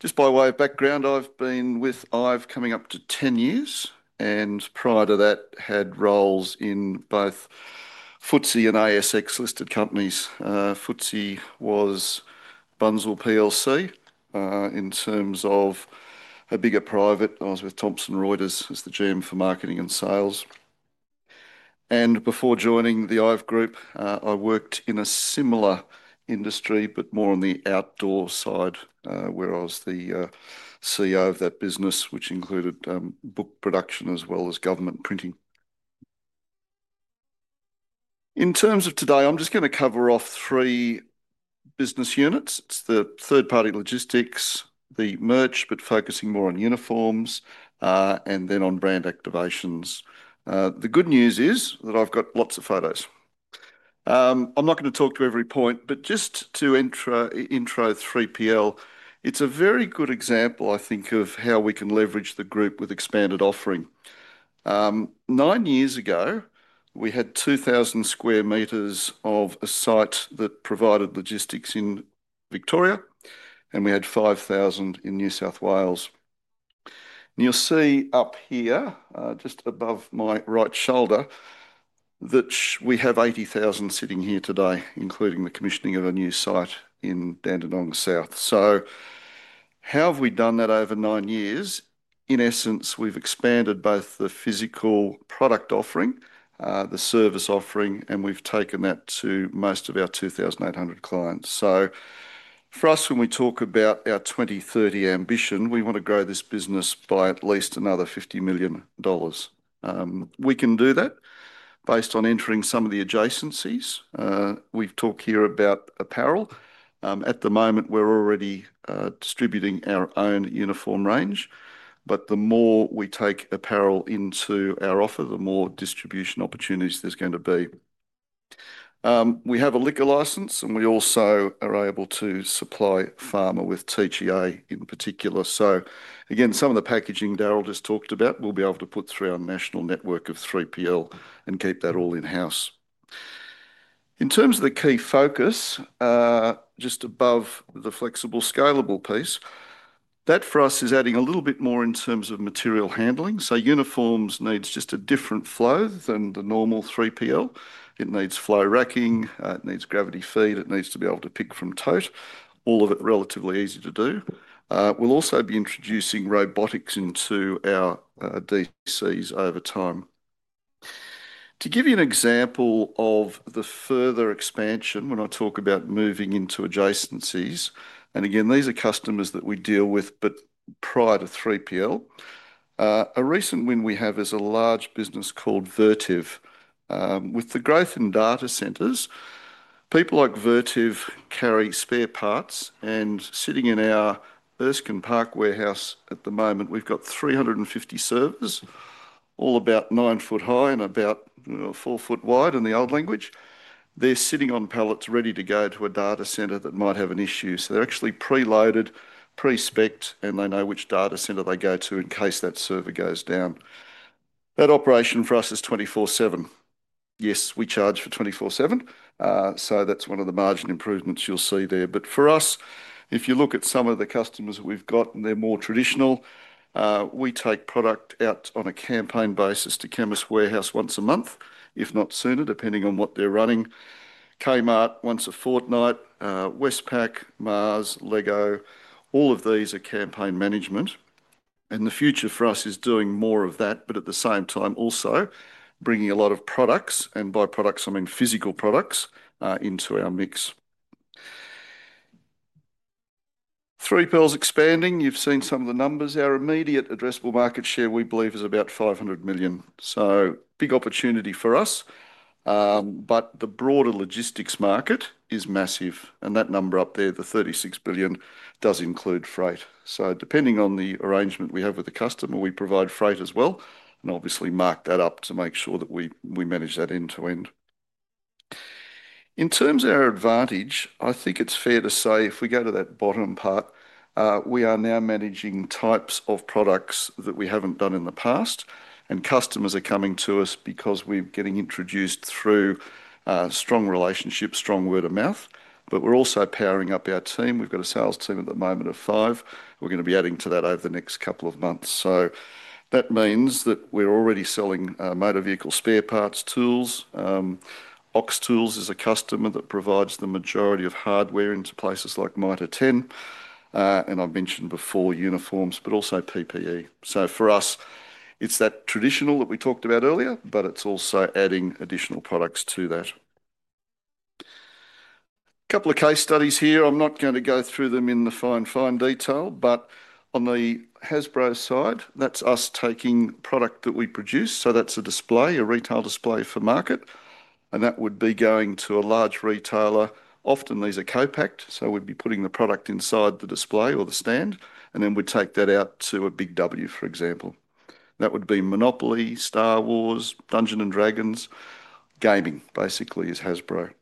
Just by way of background, I have been with IVE coming up to 10 years and prior to that had roles in both FTSE and ASX-listed companies. FTSE was Bunzl in terms of a bigger private. I was with Thomson Reuters as the GM for marketing and sales. Before joining the IVE Group, I worked in a similar industry, but more on the outdoor side, where I was the CEO of that business, which included book production as well as government printing. In terms of today, I'm just going to cover off three business units. It's the third-party logistics, the merch, but focusing more on uniforms and then on brand activations. The good news is that I've got lots of photos. I'm not going to talk to every point, but just to intro 3PL, it's a very good example, I think, of how we can leverage the group with expanded offering. Nine years ago, we had 2,000 m² of a site that provided logistics in Victoria, and we had 5,000 in New South Wales. You will see up here, just above my right shoulder, that we have 80,000 sitting here today, including the commissioning of a new site in Dandenong South. How have we done that over nine years? In essence, we have expanded both the physical product offering, the service offering, and we have taken that to most of our 2,800 clients. For us, when we talk about our 2030 ambition, we want to grow this business by at least another 50 million dollars. We can do that based on entering some of the adjacencies. We have talked here about apparel. At the moment, we are already distributing our own uniform range, but the more we take apparel into our offer, the more distribution opportunities there are going to be. We have a liquor license, and we also are able to supply pharma with TGA in particular. Again, some of the packaging Darryl just talked about, we'll be able to put through our national network of 3PL and keep that all in-house. In terms of the key focus, just above the flexible scalable piece, that for us is adding a little bit more in terms of material handling. Uniforms need just a different flow than the normal 3PL. It needs flow racking. It needs gravity feed. It needs to be able to pick from tote, all of it relatively easy to do. We'll also be introducing robotics into our DCs over time. To give you an example of the further expansion when I talk about moving into adjacencies, and again, these are customers that we deal with but prior to 3PL. A recent win we have is a large business called Vertiv. With the growth in data centers, people like Vertiv carry spare parts. Sitting in our Erskine Park warehouse at the moment, we've got 350 servers, all about 9 ft high and about 4 ft wide in the old language. They're sitting on pallets ready to go to a data centre that might have an issue. They're actually preloaded, pre-spect, and they know which data centre they go to in case that server goes down. That operation for us is 24/7. Yes, we charge for 24/7. That's one of the margin improvements you'll see there. For us, if you look at some of the customers we've got, and they're more traditional, we take product out on a campaign basis to Chemist Warehouse once a month, if not sooner, depending on what they're running. Kmart, once a Fortnite. Westpac, Mars, LEGO, all of these are campaign management. The future for us is doing more of that, but at the same time also bringing a lot of products, and by products, I mean physical products, into our mix. 3PL is expanding. You've seen some of the numbers. Our immediate addressable market share, we believe, is about 500 million. Big opportunity for us. The broader logistics market is massive. That number up there, the 36 billion, does include freight. Depending on the arrangement we have with the customer, we provide freight as well and obviously mark that up to make sure that we manage that end-to-end. In terms of our advantage, I think it's fair to say if we go to that bottom part, we are now managing types of products that we haven't done in the past. Customers are coming to us because we're getting introduced through strong relationships, strong word of mouth. We're also powering up our team. We've got a sales team at the moment of five. We're going to be adding to that over the next couple of months. That means that we're already selling motor vehicle spare parts, tools. OX Tools is a customer that provides the majority of hardware into places like Mitre 10. I've mentioned before uniforms, but also PPE. For us, it's that traditional that we talked about earlier, but it's also adding additional products to that. Couple of case studies here. I'm not going to go through them in the fine, fine detail, but on the Hasbro side, that's us taking product that we produce. That's a display, a retail display for market. That would be going to a large retailer. Often these are co-packed. So we'd be putting the product inside the display or the stand, and then we'd take that out to a Big W, for example. That would be Monopoly, Star Wars, Dungeons & Dragons. Gaming, basically, is Hasbro.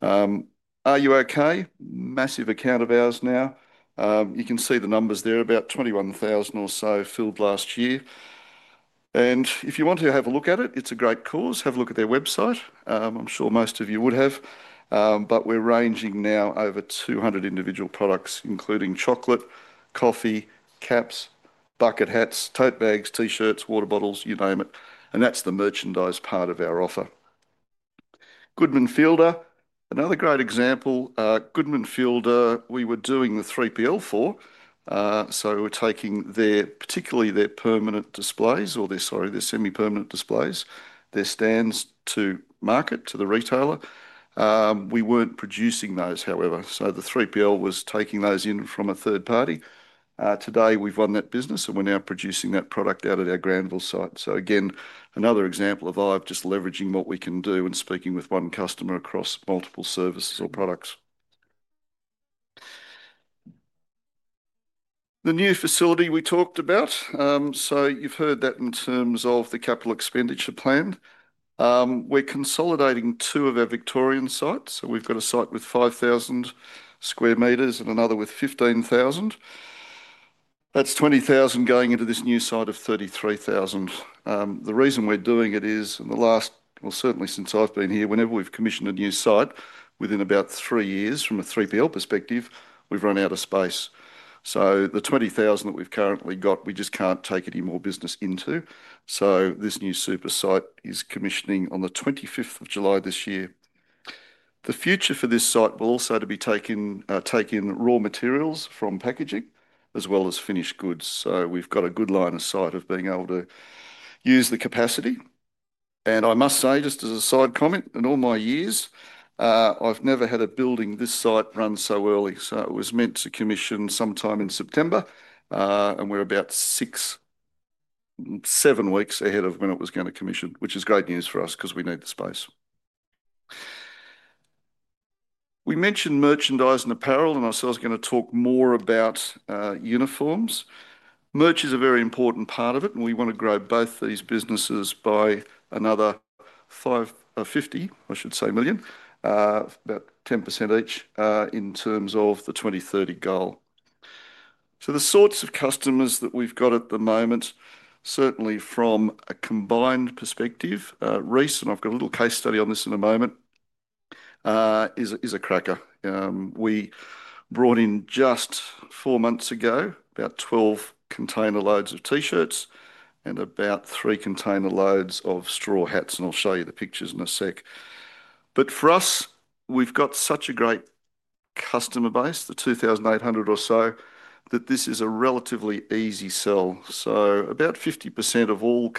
Are You Okay? Massive account of ours now. You can see the numbers there, about 21,000 or so filled last year. If you want to have a look at it, it's a great cause. Have a look at their website. I'm sure most of you would have. We're ranging now over 200 individual products, including chocolate, coffee, caps, bucket hats, tote bags, t-shirts, water bottles, you name it. That's the merchandise part of our offer. Goodman Fielder, another great example. Goodman Fielder, we were doing the 3PL for. We're taking particularly their permanent displays or their, sorry, their semi-permanent displays, their stands to market, to the retailer. We weren't producing those, however. The 3PL was taking those in from a third party. Today, we've run that business, and we're now producing that product out at our Granville site. Again, another example of IVE just leveraging what we can do and speaking with one customer across multiple services or products. The new facility we talked about. You've heard that in terms of the capital expenditure plan. We're consolidating two of our Victorian sites. We've got a site with 5,000 m² and another with 15,000. That's 20,000 going into this new site of 33,000. The reason we're doing it is, in the last, well, certainly since I've been here, whenever we've commissioned a new site, within about three years, from a 3PL perspective, we've run out of space. The 20,000 that we've currently got, we just can't take any more business into. This new super site is commissioning on the 25th of July this year. The future for this site will also be taking raw materials from packaging as well as finished goods. We've got a good line of sight of being able to use the capacity. I must say, just as a side comment, in all my years, I've never had a building this site run so early. It was meant to commission sometime in September, and we're about six, seven weeks ahead of when it was going to commission, which is great news for us because we need the space. We mentioned merchandise and apparel, and I was going to talk more about uniforms. Merch is a very important part of it, and we want to grow both these businesses by another 50 million, about 10% each in terms of the 2030 goal. The sorts of customers that we've got at the moment, certainly from a combined perspective, Reece, and I've got a little case study on this in a moment, is a cracker. We brought in just four months ago about 12 container loads of t-shirts and about three container loads of straw hats, and I'll show you the pictures in a sec. For us, we've got such a great customer base, the 2,800 or so, that this is a relatively easy sell. About 50% of all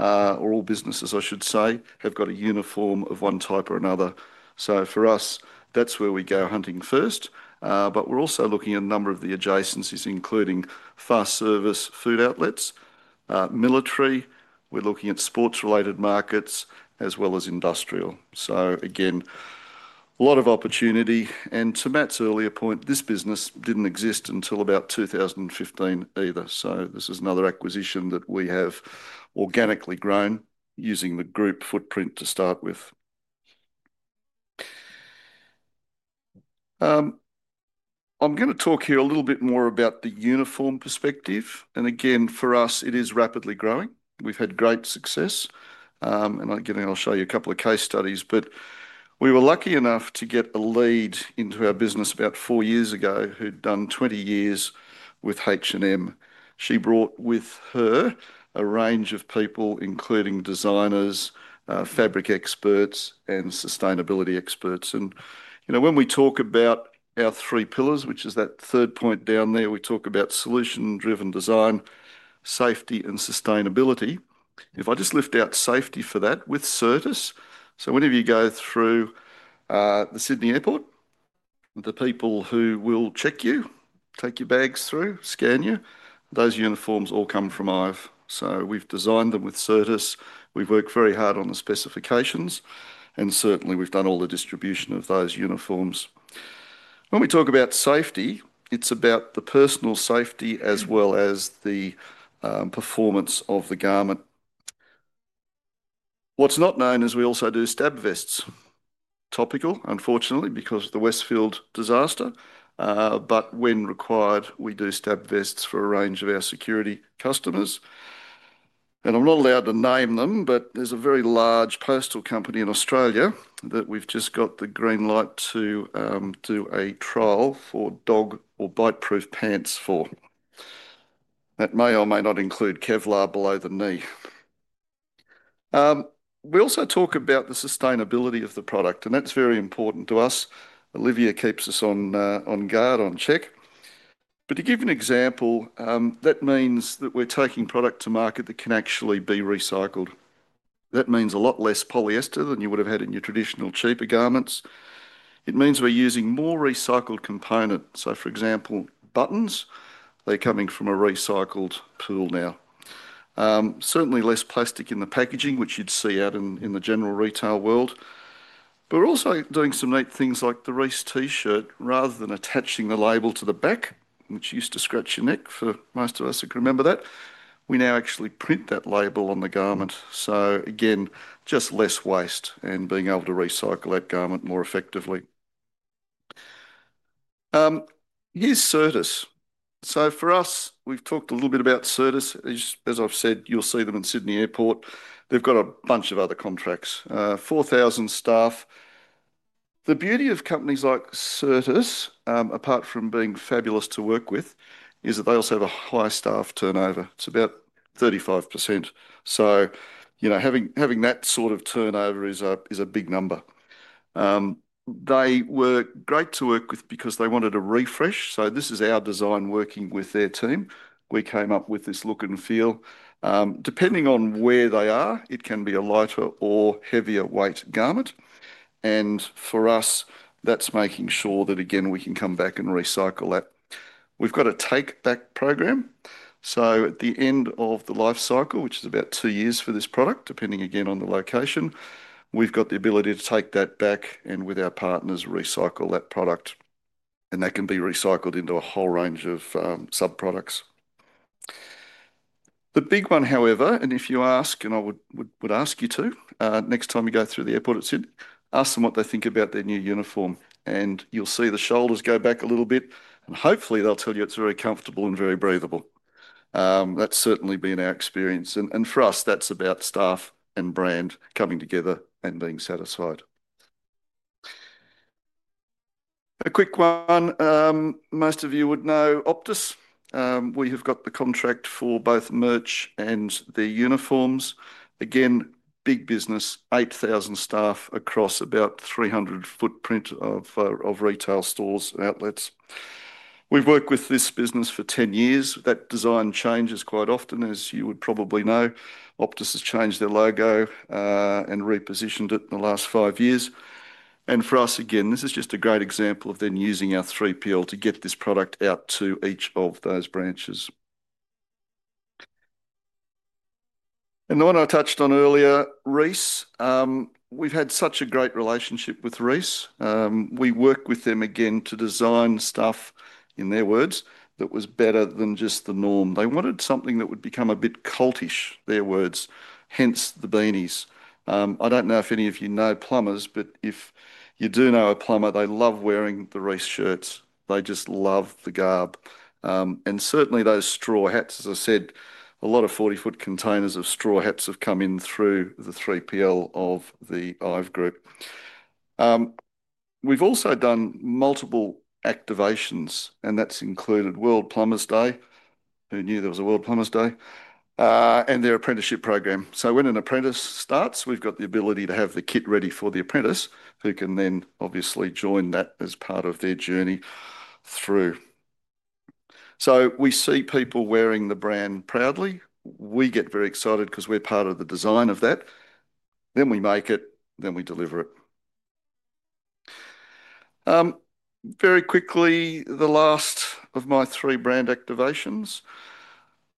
customers, or all businesses, I should say, have got a uniform of one type or another. For us, that's where we go hunting first. We're also looking at a number of the adjacencies, including fast service, food outlets, military. We're looking at sports-related markets as well as industrial. Again, a lot of opportunity. To Matt's earlier point, this business didn't exist until about 2015 either. This is another acquisition that we have organically grown using the group footprint to start with. I'm going to talk here a little bit more about the uniform perspective. Again, for us, it is rapidly growing. We've had great success. Again, I'll show you a couple of case studies. We were lucky enough to get a lead into our business about four years ago who'd done 20 years with H&M. She brought with her a range of people, including designers, fabric experts, and sustainability experts. When we talk about our three pillars, which is that third point down there, we talk about solution-driven design, safety, and sustainability. If I just lift out safety for that with Certis. Whenever you go through the Sydney Airport, the people who will check you, take your bags through, scan you, those uniforms all come from IVE. We have designed them with Certis. We have worked very hard on the specifications, and certainly we have done all the distribution of those uniforms. When we talk about safety, it's about the personal safety as well as the performance of the garment. What's not known is we also do stab vests. Topical, unfortunately, because of the Westfield disaster. When required, we do stab vests for a range of our security customers. I'm not allowed to name them, but there's a very large postal company in Australia that we've just got the green light to do a trial for dog or bite-proof pants for. That may or may not include Kevlar below the knee. We also talk about the sustainability of the product, and that's very important to us. Olivia keeps us on guard, on check. To give an example, that means that we're taking product to market that can actually be recycled. That means a lot less polyester than you would have had in your traditional cheaper garments. It means we're using more recycled components. For example, buttons, they're coming from a recycled pool now. Certainly less plastic in the packaging, which you'd see out in the general retail world. We're also doing some neat things like the Reece t-shirt. Rather than attaching the label to the back, which used to scratch your neck, for most of us who can remember that, we now actually print that label on the garment. Again, just less waste and being able to recycle that garment more effectively. Here's Certis. For us, we've talked a little bit about Certis. As I've said, you'll see them in Sydney Airport. They've got a bunch of other contracts, 4,000 staff. The beauty of companies like Certis, apart from being fabulous to work with, is that they also have a high staff turnover. It's about 35%. Having that sort of turnover is a big number. They were great to work with because they wanted a refresh. This is our design working with their team. We came up with this look and feel. Depending on where they are, it can be a lighter or heavier weight garment. For us, that's making sure that, again, we can come back and recycle that. We've got a take-back program. At the end of the life cycle, which is about two years for this product, depending again on the location, we've got the ability to take that back and with our partners recycle that product. That can be recycled into a whole range of sub-products. The big one, however, and if you ask, and I would ask you to, next time you go through the airport at Sydney, ask them what they think about their new uniform. You'll see the shoulders go back a little bit. Hopefully, they'll tell you it's very comfortable and very breathable. That's certainly been our experience. For us, that's about staff and brand coming together and being satisfied. A quick one. Most of you would know Optus. We have got the contract for both merch and the uniforms. Again, big business, 8,000 staff across about 300 footprint of retail stores and outlets. We've worked with this business for 10 years. That design changes quite often, as you would probably know. Optus has changed their logo and repositioned it in the last five years. For us, again, this is just a great example of them using our 3PL to get this product out to each of those branches. The one I touched on earlier, Reece, we've had such a great relationship with Reece. We worked with them again to design stuff, in their words, that was better than just the norm. They wanted something that would become a bit cultish, their words. Hence the beanies. I don't know if any of you know plumbers, but if you do know a plumber, they love wearing the Reece shirts. They just love the garb. Certainly those straw hats, as I said, a lot of 40-foot containers of straw hats have come in through the 3PL of the IVE Group. We've also done multiple activations, and that's included World Plumbers Day, who knew there was a World Plumbers Day, and their apprenticeship program. When an apprentice starts, we've got the ability to have the kit ready for the apprentice, who can then obviously join that as part of their journey through. We see people wearing the brand proudly. We get very excited because we're part of the design of that. Then we make it, then we deliver it. Very quickly, the last of my three brand activations.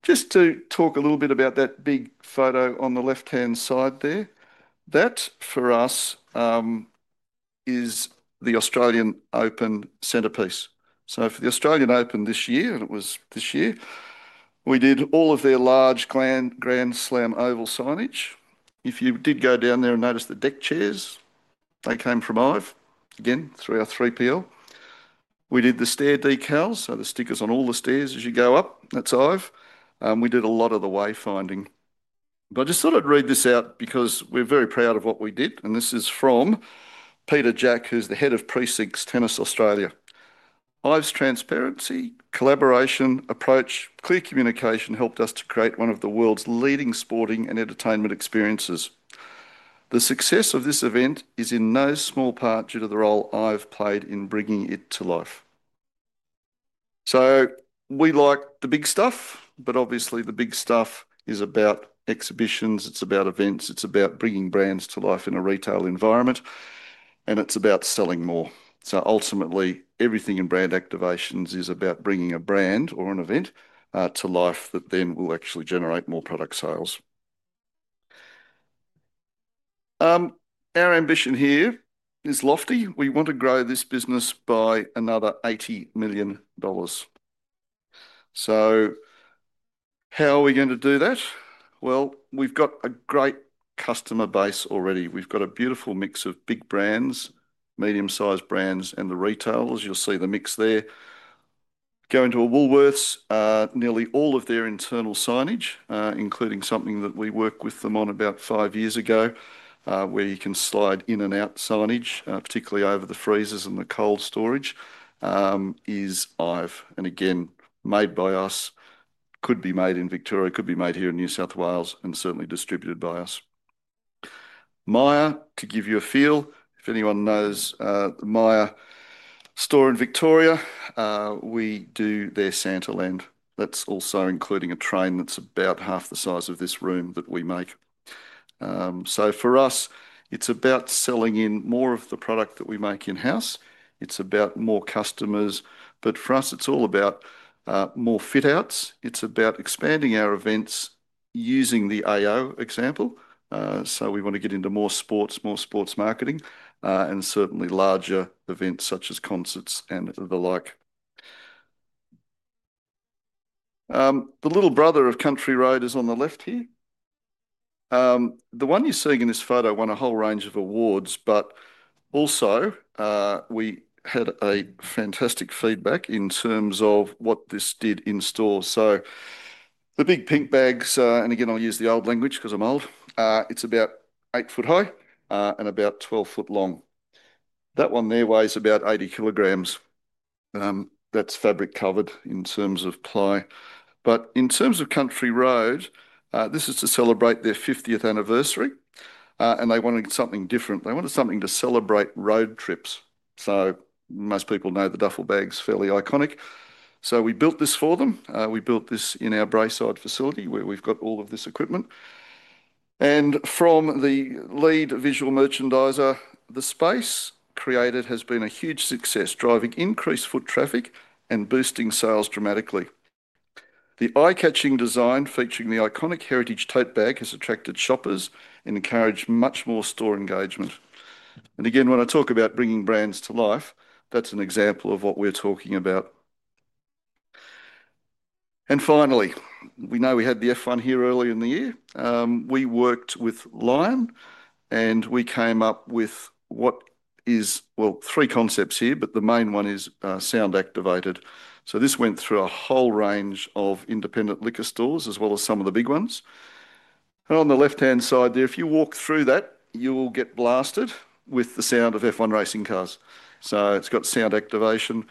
Just to talk a little bit about that big photo on the left-hand side there. That for us is the Australian Open centerpiece. For the Australian Open this year, and it was this year, we did all of their large Grand Slam oval signage. If you did go down there and notice the deck chairs, they came from IVE. Again, through our 3PL. We did the stair decals, so the stickers on all the stairs as you go up, that's IVE. We did a lot of the wayfinding. I just thought I'd read this out because we're very proud of what we did. This is from Peter Jack, who's the Head of Precincts at Tennis Australia. IVE's transparency, collaboration, approach, clear communication helped us to create one of the world's leading sporting and entertainment experiences. The success of this event is in no small part due to the role IVE played in bringing it to life. We like the big stuff, but obviously the big stuff is about exhibitions. It's about events. It's about bringing brands to life in a retail environment. It's about selling more. Ultimately, everything in brand activations is about bringing a brand or an event to life that then will actually generate more product sales. Our ambition here is lofty. We want to grow this business by another 80 million dollars. How are we going to do that? We've got a great customer base already. We've got a beautiful mix of big brands, medium-sized brands, and the retailers. You'll see the mix there. Going to a Woolworths, nearly all of their internal signage, including something that we worked with them on about five years ago, where you can slide in and out signage, particularly over the freezers and the cold storage, is IVE. Again, made by us, could be made in Victoria, could be made here in New South Wales, and certainly distributed by us. Myer, to give you a feel, if anyone knows the Myer store in Victoria, we do their Santaland. That is also including a train that is about half the size of this room that we make. For us, it is about selling in more of the product that we make in-house. It is about more customers. For us, it is all about more fit-outs. It is about expanding our events using the AO example. We want to get into more sports, more sports marketing, and certainly larger events such as concerts and the like. The little brother of Country Road is on the left here. The one you're seeing in this photo won a whole range of awards, but also we had fantastic feedback in terms of what this did in store. The big pink bags, and again, I'll use the old language because I'm old, it's about 8 ft high and about 12 ft long. That one there weighs about 80 kg. That's fabric covered in terms of ply. In terms of Country Road, this is to celebrate their 50th anniversary. They wanted something different. They wanted something to celebrate road trips. Most people know the duffel bags, fairly iconic. We built this for them. We built this in our Braeside facility where we've got all of this equipment. From the lead visual merchandiser, the space created has been a huge success, driving increased foot traffic and boosting sales dramatically. The eye-catching design featuring the iconic heritage tote bag has attracted shoppers and encouraged much more store engagement. When I talk about bringing brands to life, that's an example of what we're talking about. Finally, we know we had the F1 here earlier in the year. We worked with Lion, and we came up with what is, well, three concepts here, but the main one is sound activated. This went through a whole range of independent liquor stores as well as some of the big ones. On the left-hand side there, if you walk through that, you'll get blasted with the sound of F1 racing cars. It's got sound activation,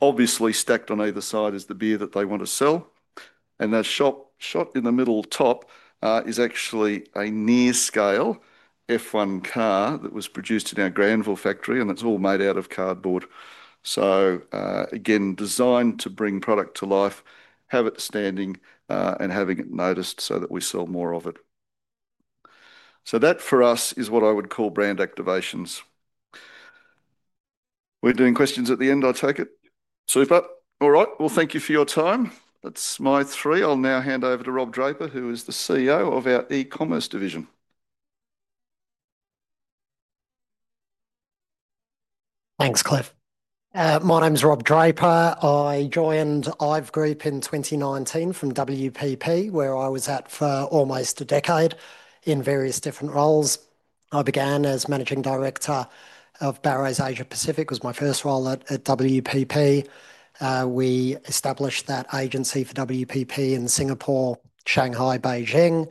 obviously stacked on either side is the beer that they want to sell. That shop shot in the middle top is actually a near-scale F1 car that was produced in our Granville factory, and it's all made out of cardboard. Again, designed to bring product to life, have it standing, and having it noticed so that we sell more of it. That for us is what I would call Brand Activations. We're doing questions at the end, I take it? Super. Thank you for your time. That's my three. I'll now hand over to Rob Draper, who is the CEO of our eCommerce division. Thanks, Cliff. My name's Rob Draper. I joined IVE Group in 2019 from WPP, where I was at for almost a decade in various different roles. I began as Managing Director of Barrows Asia Pacific, was my first role at WPP. We established that agency for WPP in Singapore, Shanghai, Beijing.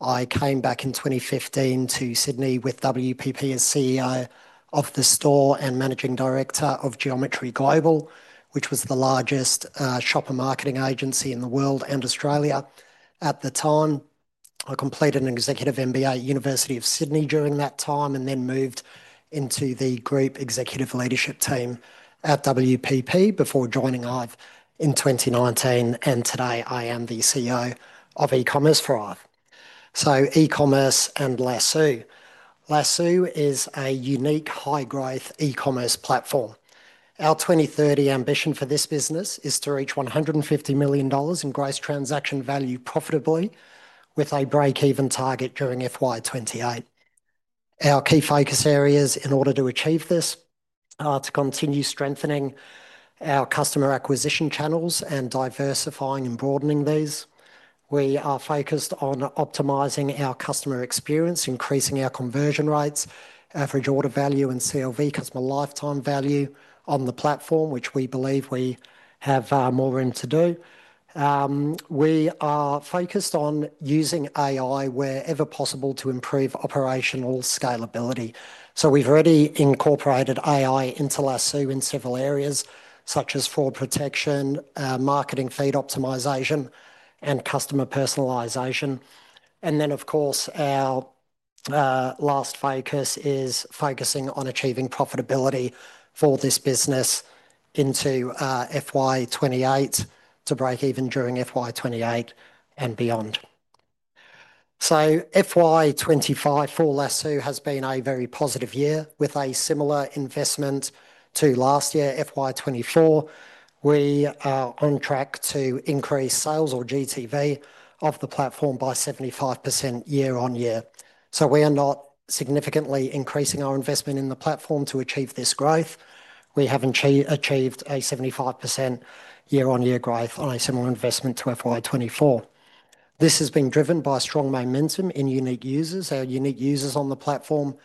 I came back in 2015 to Sydney with WPP as CEO of the store and Managing Director of Geometry Global, which was the largest shopper marketing agency in the world and Australia at the time. I completed an Executive MBA at University of Sydney during that time and then moved into the group executive leadership team at WPP before joining IVE in 2019. Today I am the CEO of eCommerce for IVE. eCommerce and Lasoo. Lasoo is a unique high-growth e-commerce platform. Our 2030 ambition for this business is to reach 150 million dollars in gross transaction value profitably with a break-even target during FY 2028. Our key focus areas in order to achieve this are to continue strengthening our customer acquisition channels and diversifying and broadening these. We are focused on optimizing our customer experience, increasing our conversion rates, average order value, and CLV, customer lifetime value on the platform, which we believe we have more room to do. We are focused on using AI wherever possible to improve operational scalability. We have already incorporated AI into Lasoo in several areas, such as fraud protection, marketing feed optimization, and customer personalization. Our last focus is focusing on achieving profitability for this business into FY 2028 to break even during FY 2028 and beyond. FY 2025 for Lasoo has been a very positive year with a similar investment to last year, FY 2024. We are on track to increase sales, or GTV, of the platform by 75% year on year. We are not significantly increasing our investment in the platform to achieve this growth. We have achieved a 75% year-on-year growth on a similar investment to FY 2024. This has been driven by strong momentum in unique users. Our unique users on the platform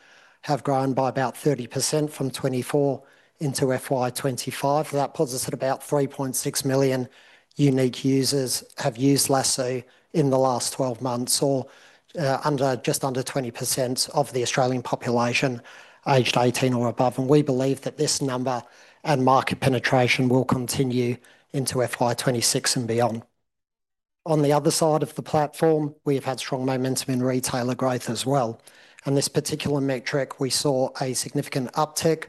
have grown by about 30% from 2024 into FY 2025. That puts us at about 3.6 million unique users who have used Lasoo in the last 12 months or just under 20% of the Australian population aged 18 or above. We believe that this number and market penetration will continue into FY 2026 and beyond. On the other side of the platform, we have had strong momentum in retailer growth as well. In this particular metric, we saw a significant uptick,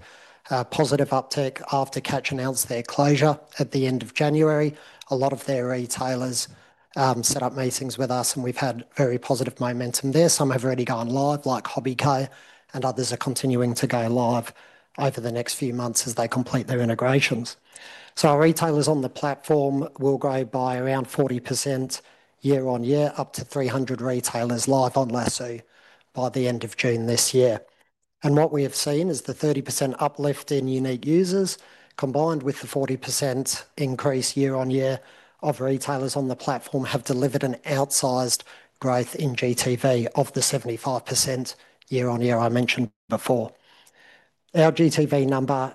positive uptick after Catch announced their closure at the end of January. A lot of their retailers set up meetings with us, and we've had very positive momentum there. Some have already gone live, like Hobbyco, and others are continuing to go live over the next few months as they complete their integrations. Our retailers on the platform will grow by around 40% year on year, up to 300 retailers live on Lasoo by the end of June this year. What we have seen is the 30% uplift in unique users combined with the 40% increase year on year of retailers on the platform have delivered an outsized growth in GTV of the 75% year on year I mentioned before. Our GTV number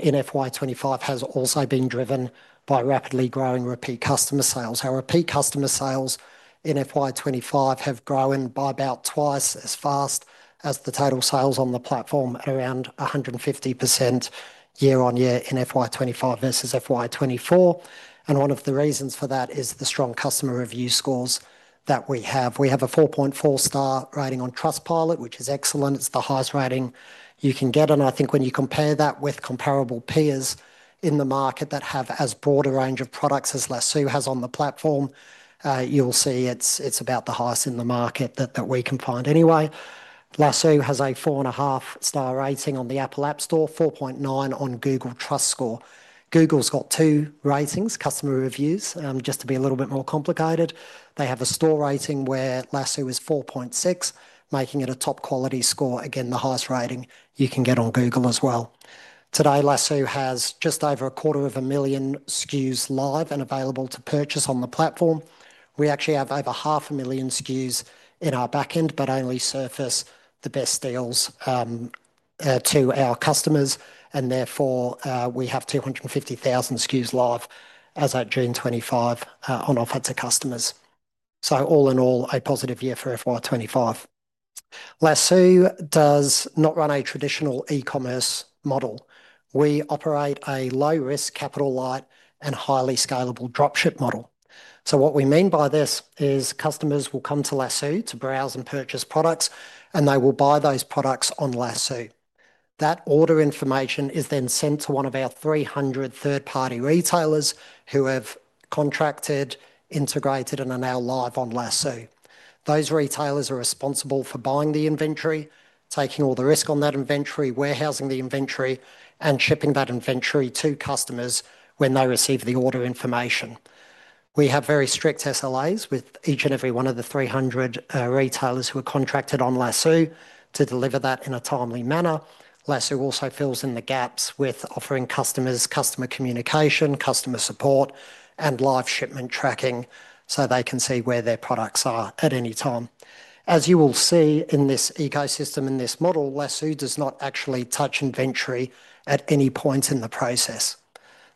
in FY 2025 has also been driven by rapidly growing repeat customer sales. Our repeat customer sales in FY 2025 have grown by about twice as fast as the total sales on the platform, around 150% year on year in FY 2025 versus FY 2024. One of the reasons for that is the strong customer review scores that we have. We have a 4.4-star rating on Trustpilot, which is excellent. It is the highest rating you can get. I think when you compare that with comparable peers in the market that have as broad a range of products as Lasoo has on the platform, you'll see it is about the highest in the market that we can find anyway. Lasoo has a 4.5-star rating on the Apple App Store, 4.9 on Google Trust Score. Google's got two ratings, customer reviews, just to be a little bit more complicated. They have a store rating where Lasoo is 4.6, making it a top-quality score. Again, the highest rating you can get on Google as well. Today, Lasoo has just over a quarter of a million SKUs live and available to purchase on the platform. We actually have over 500,000 SKUs in our backend, but only surface the best deals to our customers. Therefore, we have 250,000 SKUs live as of June 25 on offer to customers. All in all, a positive year for FY 2025. Lasoo does not run a traditional e-commerce model. We operate a low-risk, capital-light, and highly scalable dropship model. What we mean by this is customers will come to Lasoo to browse and purchase products, and they will buy those products on Lasoo. That order information is then sent to one of our 300 third-party retailers who have contracted, integrated, and are now live on Lasoo. Those retailers are responsible for buying the inventory, taking all the risk on that inventory, warehousing the inventory, and shipping that inventory to customers when they receive the order information. We have very strict SLAs with each and every one of the 300 retailers who are contracted on Lasoo to deliver that in a timely manner. Lasoo also fills in the gaps with offering customers customer communication, customer support, and live shipment tracking so they can see where their products are at any time. As you will see in this ecosystem, in this model, Lasoo does not actually touch inventory at any point in the process.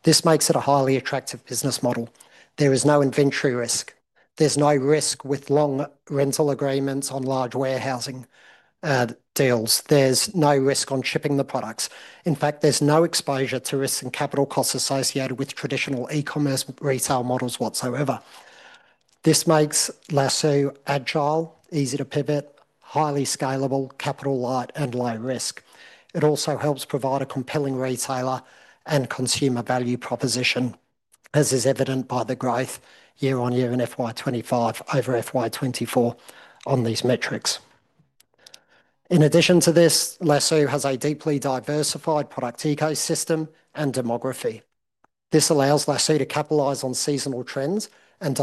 This makes it a highly attractive business model. There is no inventory risk. There's no risk with long rental agreements on large warehousing deals. There's no risk on shipping the products. In fact, there's no exposure to risks and capital costs associated with traditional e-commerce retail models whatsoever. This makes Lasoo agile, easy to pivot, highly scalable, capital-light, and low-risk. It also helps provide a compelling retailer and consumer value proposition, as is evident by the growth year on year in FY 2025 over FY 2024 on these metrics. In addition to this, Lasoo has a deeply diversified product ecosystem and demography. This allows Lasoo to capitalize on seasonal trends and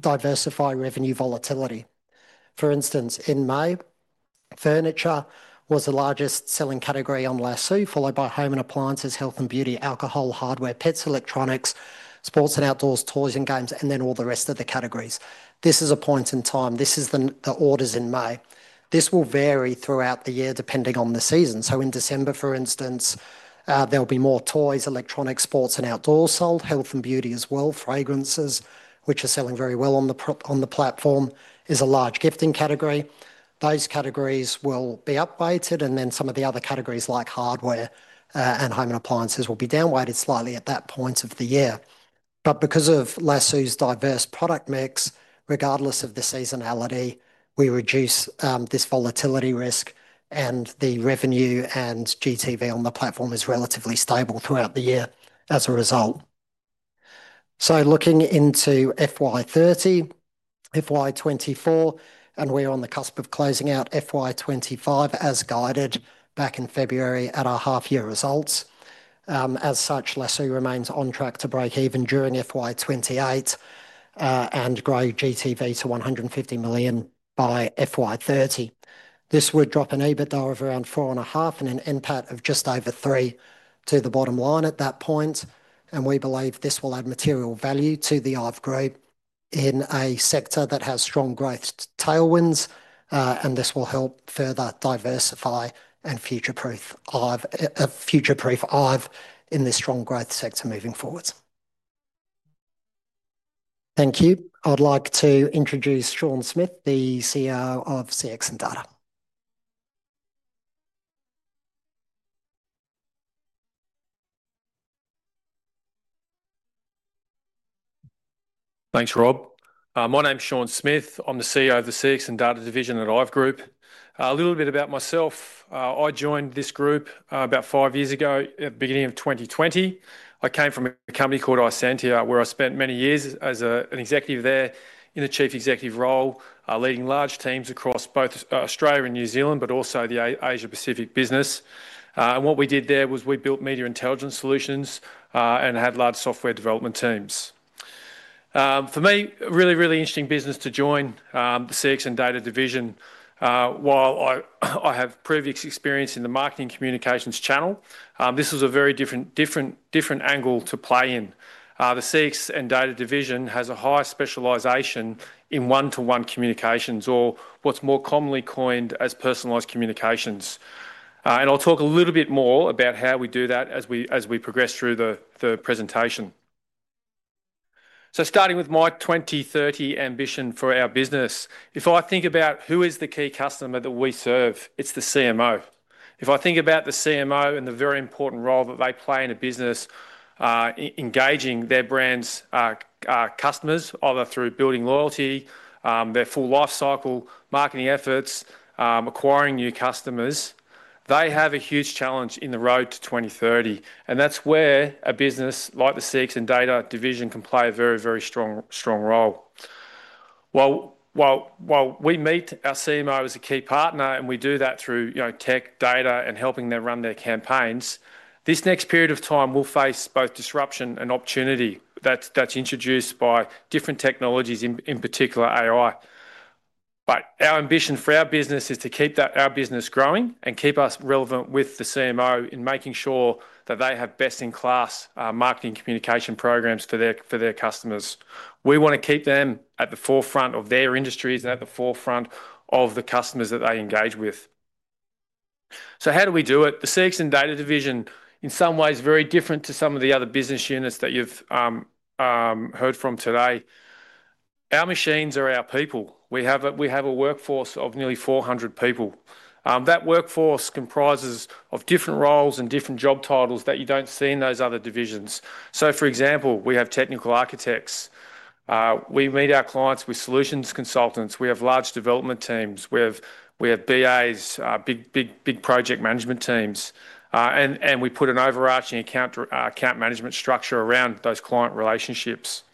diversify revenue volatility. For instance, in May, furniture was the largest selling category on Lasoo, followed by home and appliances, health and beauty, alcohol, hardware, pets, electronics, sports and outdoors, toys and games, and then all the rest of the categories. This is a point in time. This is the orders in May. This will vary throughout the year depending on the season. In December, for instance, there'll be more toys, electronics, sports and outdoors sold, health and beauty as well, fragrances, which are selling very well on the platform, is a large gifting category. Those categories will be updated, and then some of the other categories like hardware and home and appliances will be downweighted slightly at that point of the year. Because of Lasoo's diverse product mix, regardless of the seasonality, we reduce this volatility risk, and the revenue and GTV on the platform is relatively stable throughout the year as a result. Looking into FY 2030, FY 2024, and we're on the cusp of closing out FY 2025 as guided back in February at our half-year results. As such, Lasoo remains on track to break even during FY 2028 and grow GTV to 150 million by FY 2030. This would drop an EBITDA of around 4.5 and an NPAT of just over three to the bottom line at that point. We believe this will add material value to the IVE Group in a sector that has strong growth tailwinds, and this will help further diversify and future-proof IVE in this strong growth sector moving forwards. Thank you. I'd like to introduce Sean Smith, the CEO of CX & Data. Thanks, Rob. My name's Sean Smith. I'm the CEO of the CX & Data division at IVE Group. A little bit about myself. I joined this group about five years ago at the beginning of 2020. I came from a company called Isentia, where I spent many years as an executive there in the chief executive role, leading large teams across both Australia and New Zealand, but also the Asia-Pacific business. What we did there was we built media intelligence solutions and had large software development teams. For me, really, really interesting business to join the CX & Data division. While I have previous experience in the marketing communications channel, this was a very different angle to play in. The CX & Data division has a high specialization in one-to-one communications, or what's more commonly coined as personalized communications. I'll talk a little bit more about how we do that as we progress through the presentation. Starting with my 2030 ambition for our business, if I think about who is the key customer that we serve, it's the CMO. If I think about the CMO and the very important role that they play in a business engaging their brand's customers, either through building loyalty, their full life cycle, marketing efforts, acquiring new customers, they have a huge challenge in the road to 2030. That is where a business like the CX & Data division can play a very, very strong role. While we meet our CMO as a key partner, and we do that through tech, data, and helping them run their campaigns, this next period of time will face both disruption and opportunity that is introduced by different technologies, in particular AI. Our ambition for our business is to keep our business growing and keep us relevant with the CMO in making sure that they have best-in-class marketing communication programs for their customers. We want to keep them at the forefront of their industries and at the forefront of the customers that they engage with. How do we do it? The CX & Data division, in some ways, is very different to some of the other business units that you've heard from today. Our machines are our people. We have a workforce of nearly 400 people. That workforce comprises of different roles and different job titles that you don't see in those other divisions. For example, we have technical architects. We meet our clients with solutions consultants. We have large development teams. We have BAs, big project management teams. We put an overarching account management structure around those client relationships.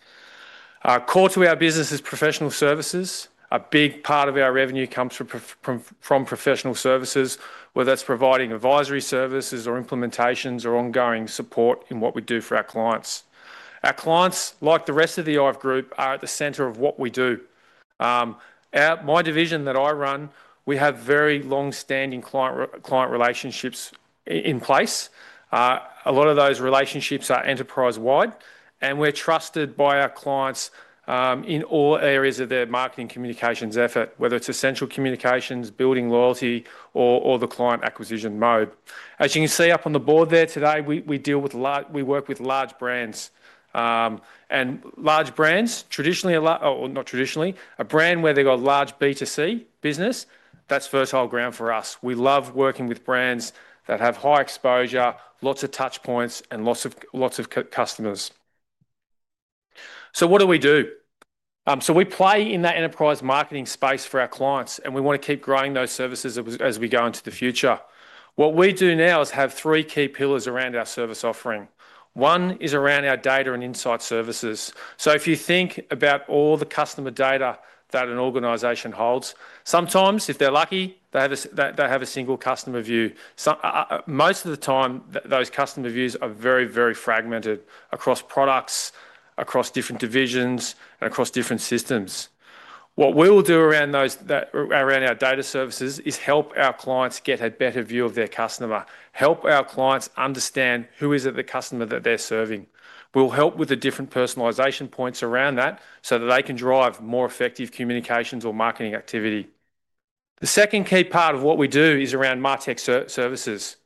Core to our business is professional services. A big part of our revenue comes from professional services, whether that's providing advisory services or implementations or ongoing support in what we do for our clients. Our clients, like the rest of the IVE Group, are at the center of what we do. My division that I run, we have very long-standing client relationships in place. A lot of those relationships are enterprise-wide, and we're trusted by our clients in all areas of their marketing communications effort, whether it's essential communications, building loyalty, or the client acquisition mode. As you can see up on the board there today, we work with large brands. Large brands, traditionally, or not traditionally, a brand where they've got a large B2C business, that's fertile ground for us. We love working with brands that have high exposure, lots of touchpoints, and lots of customers. What do we do? We play in that enterprise marketing space for our clients, and we want to keep growing those services as we go into the future. What we do now is have three key pillars around our service offering. One is around our data and insight services. If you think about all the customer data that an organization holds, sometimes, if they're lucky, they have a single customer view. Most of the time, those customer views are very, very fragmented across products, across different divisions, and across different systems. What we will do around our data services is help our clients get a better view of their customer, help our clients understand who is the customer that they're serving. We'll help with the different personalization points around that so that they can drive more effective communications or marketing activity. The second key part of what we do is around Martech services.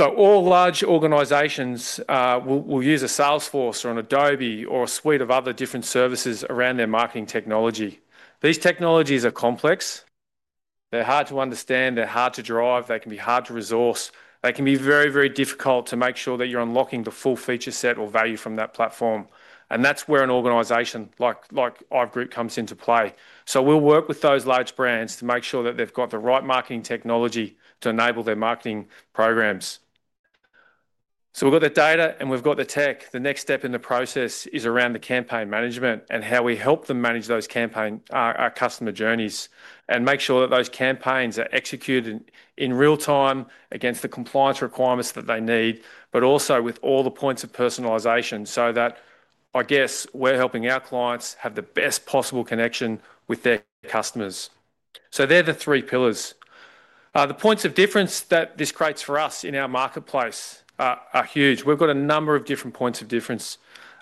All large organizations will use a Salesforce or an Adobe or a suite of other different services around their marketing technology. These technologies are complex. They're hard to understand. They're hard to drive. They can be hard to resource. They can be very, very difficult to make sure that you're unlocking the full feature set or value from that platform. That's where an organization like IVE Group comes into play. We'll work with those large brands to make sure that they've got the right marketing technology to enable their marketing programs. We've got the data, and we've got the tech. The next step in the process is around the campaign management and how we help them manage those campaign, our customer journeys, and make sure that those campaigns are executed in real time against the compliance requirements that they need, but also with all the points of personalization so that, I guess, we're helping our clients have the best possible connection with their customers. Those are the three pillars. The points of difference that this creates for us in our marketplace are huge. We've got a number of different points of difference.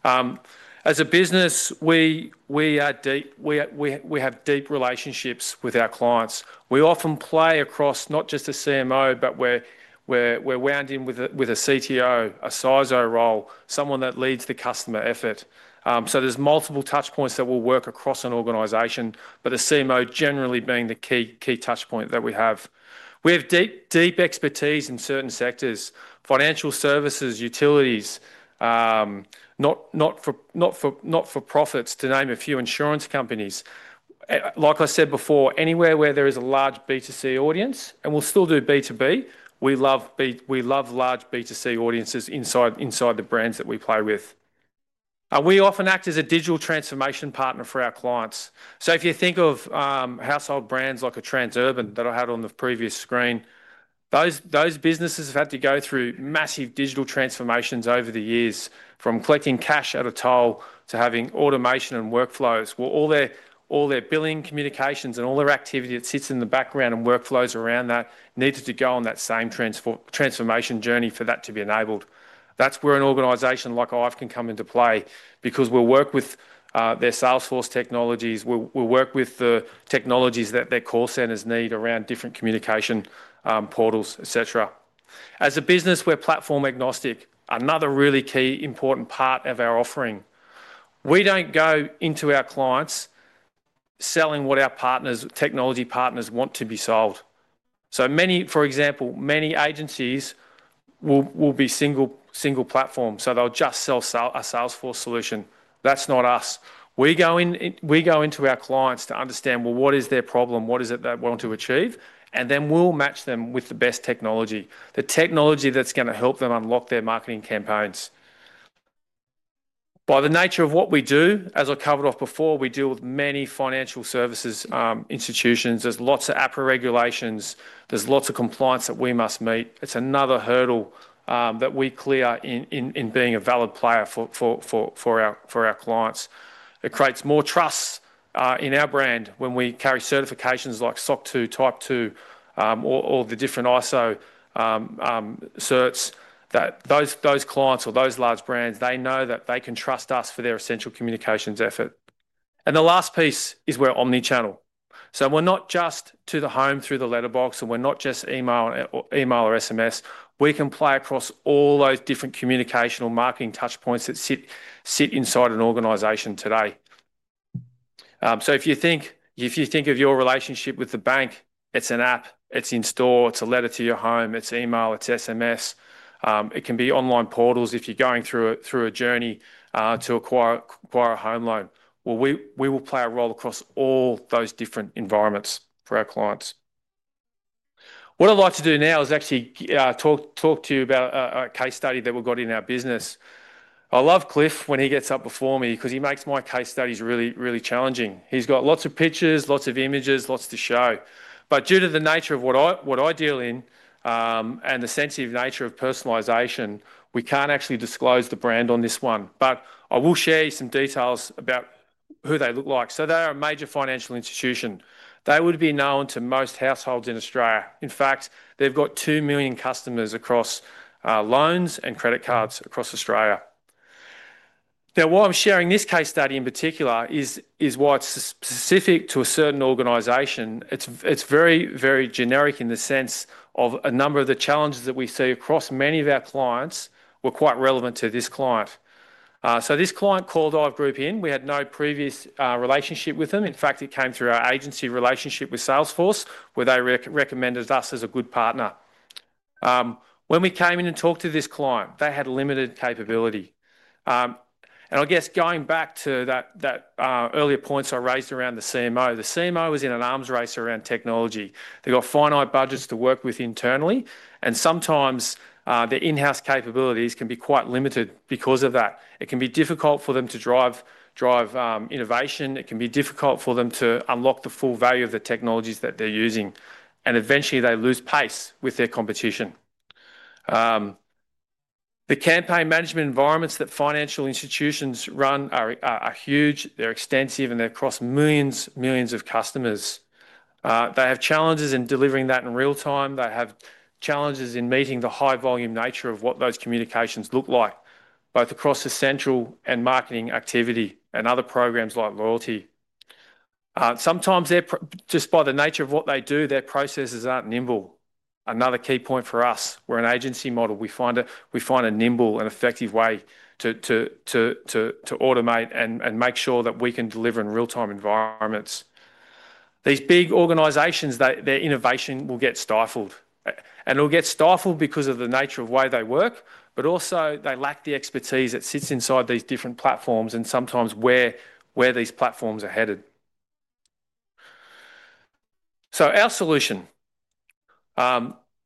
As a business, we have deep relationships with our clients. We often play across not just a CMO, but we're wound in with a CTO, a CISO role, someone that leads the customer effort. There are multiple touchpoints that will work across an organization, but the CMO generally being the key touchpoint that we have. We have deep expertise in certain sectors: financial services, utilities, not-for-profits, to name a few, insurance companies. Like I said before, anywhere where there is a large B2C audience, and we'll still do B2B, we love large B2C audiences inside the brands that we play with. We often act as a digital transformation partner for our clients. If you think of household brands like a Transurban that I had on the previous screen, those businesses have had to go through massive digital transformations over the years, from collecting cash at a toll to having automation and workflows, where all their billing communications and all their activity that sits in the background and workflows around that needed to go on that same transformation journey for that to be enabled. That is where an organization like IVE can come into play because we'll work with their Salesforce technologies. We'll work with the technologies that their call centers need around different communication portals, etc. As a business, we're platform agnostic. Another really key important part of our offering. We don't go into our clients selling what our technology partners want to be sold. For example, many agencies will be single platform, so they'll just sell a Salesforce solution. That's not us. We go into our clients to understand, well, what is their problem? What is it they want to achieve? Then we'll match them with the best technology, the technology that's going to help them unlock their marketing campaigns. By the nature of what we do, as I covered off before, we deal with many financial services institutions. There's lots of APRA regulations. There's lots of compliance that we must meet. It's another hurdle that we clear in being a valid player for our clients. It creates more trust in our brand when we carry certifications like SOC 2 Type 2, or the different ISO certs that those clients or those large brands, they know that they can trust us for their essential communications effort. The last piece is we're omnichannel. We're not just to the home through the letterbox, and we're not just email or SMS. We can play across all those different communicational marketing touchpoints that sit inside an organization today. If you think of your relationship with the bank, it's an app. It's in store. It's a letter to your home. It's email. It's SMS. It can be online portals if you're going through a journey to acquire a home loan. We will play a role across all those different environments for our clients. What I'd like to do now is actually talk to you about a case study that we've got in our business. I love Cliff when he gets up before me because he makes my case studies really, really challenging. He's got lots of pictures, lots of images, lots to show. Due to the nature of what I deal in and the sensitive nature of personalization, we can't actually disclose the brand on this one. I will share some details about who they look like. They are a major financial institution. They would be known to most households in Australia. In fact, they've got 2 million customers across loans and credit cards across Australia. Now, why I'm sharing this case study in particular is why it's specific to a certain organization. It's very, very generic in the sense of a number of the challenges that we see across many of our clients were quite relevant to this client. This client called IVE Group in. We had no previous relationship with them. In fact, it came through our agency relationship with Salesforce, where they recommended us as a good partner. When we came in and talked to this client, they had limited capability. I guess going back to that earlier point I raised around the CMO, the CMO was in an arms race around technology. They've got finite budgets to work with internally, and sometimes their in-house capabilities can be quite limited because of that. It can be difficult for them to drive innovation. It can be difficult for them to unlock the full value of the technologies that they're using. Eventually, they lose pace with their competition. The campaign management environments that financial institutions run are huge. They're extensive, and they're across millions, millions of customers. They have challenges in delivering that in real time. They have challenges in meeting the high-volume nature of what those communications look like, both across essential and marketing activity and other programs like loyalty. Sometimes, just by the nature of what they do, their processes aren't nimble. Another key point for us, we're an agency model. We find a nimble, an effective way to automate and make sure that we can deliver in real-time environments. These big organizations, their innovation will get stifled. It will get stifled because of the nature of the way they work, but also they lack the expertise that sits inside these different platforms and sometimes where these platforms are headed. Our solution,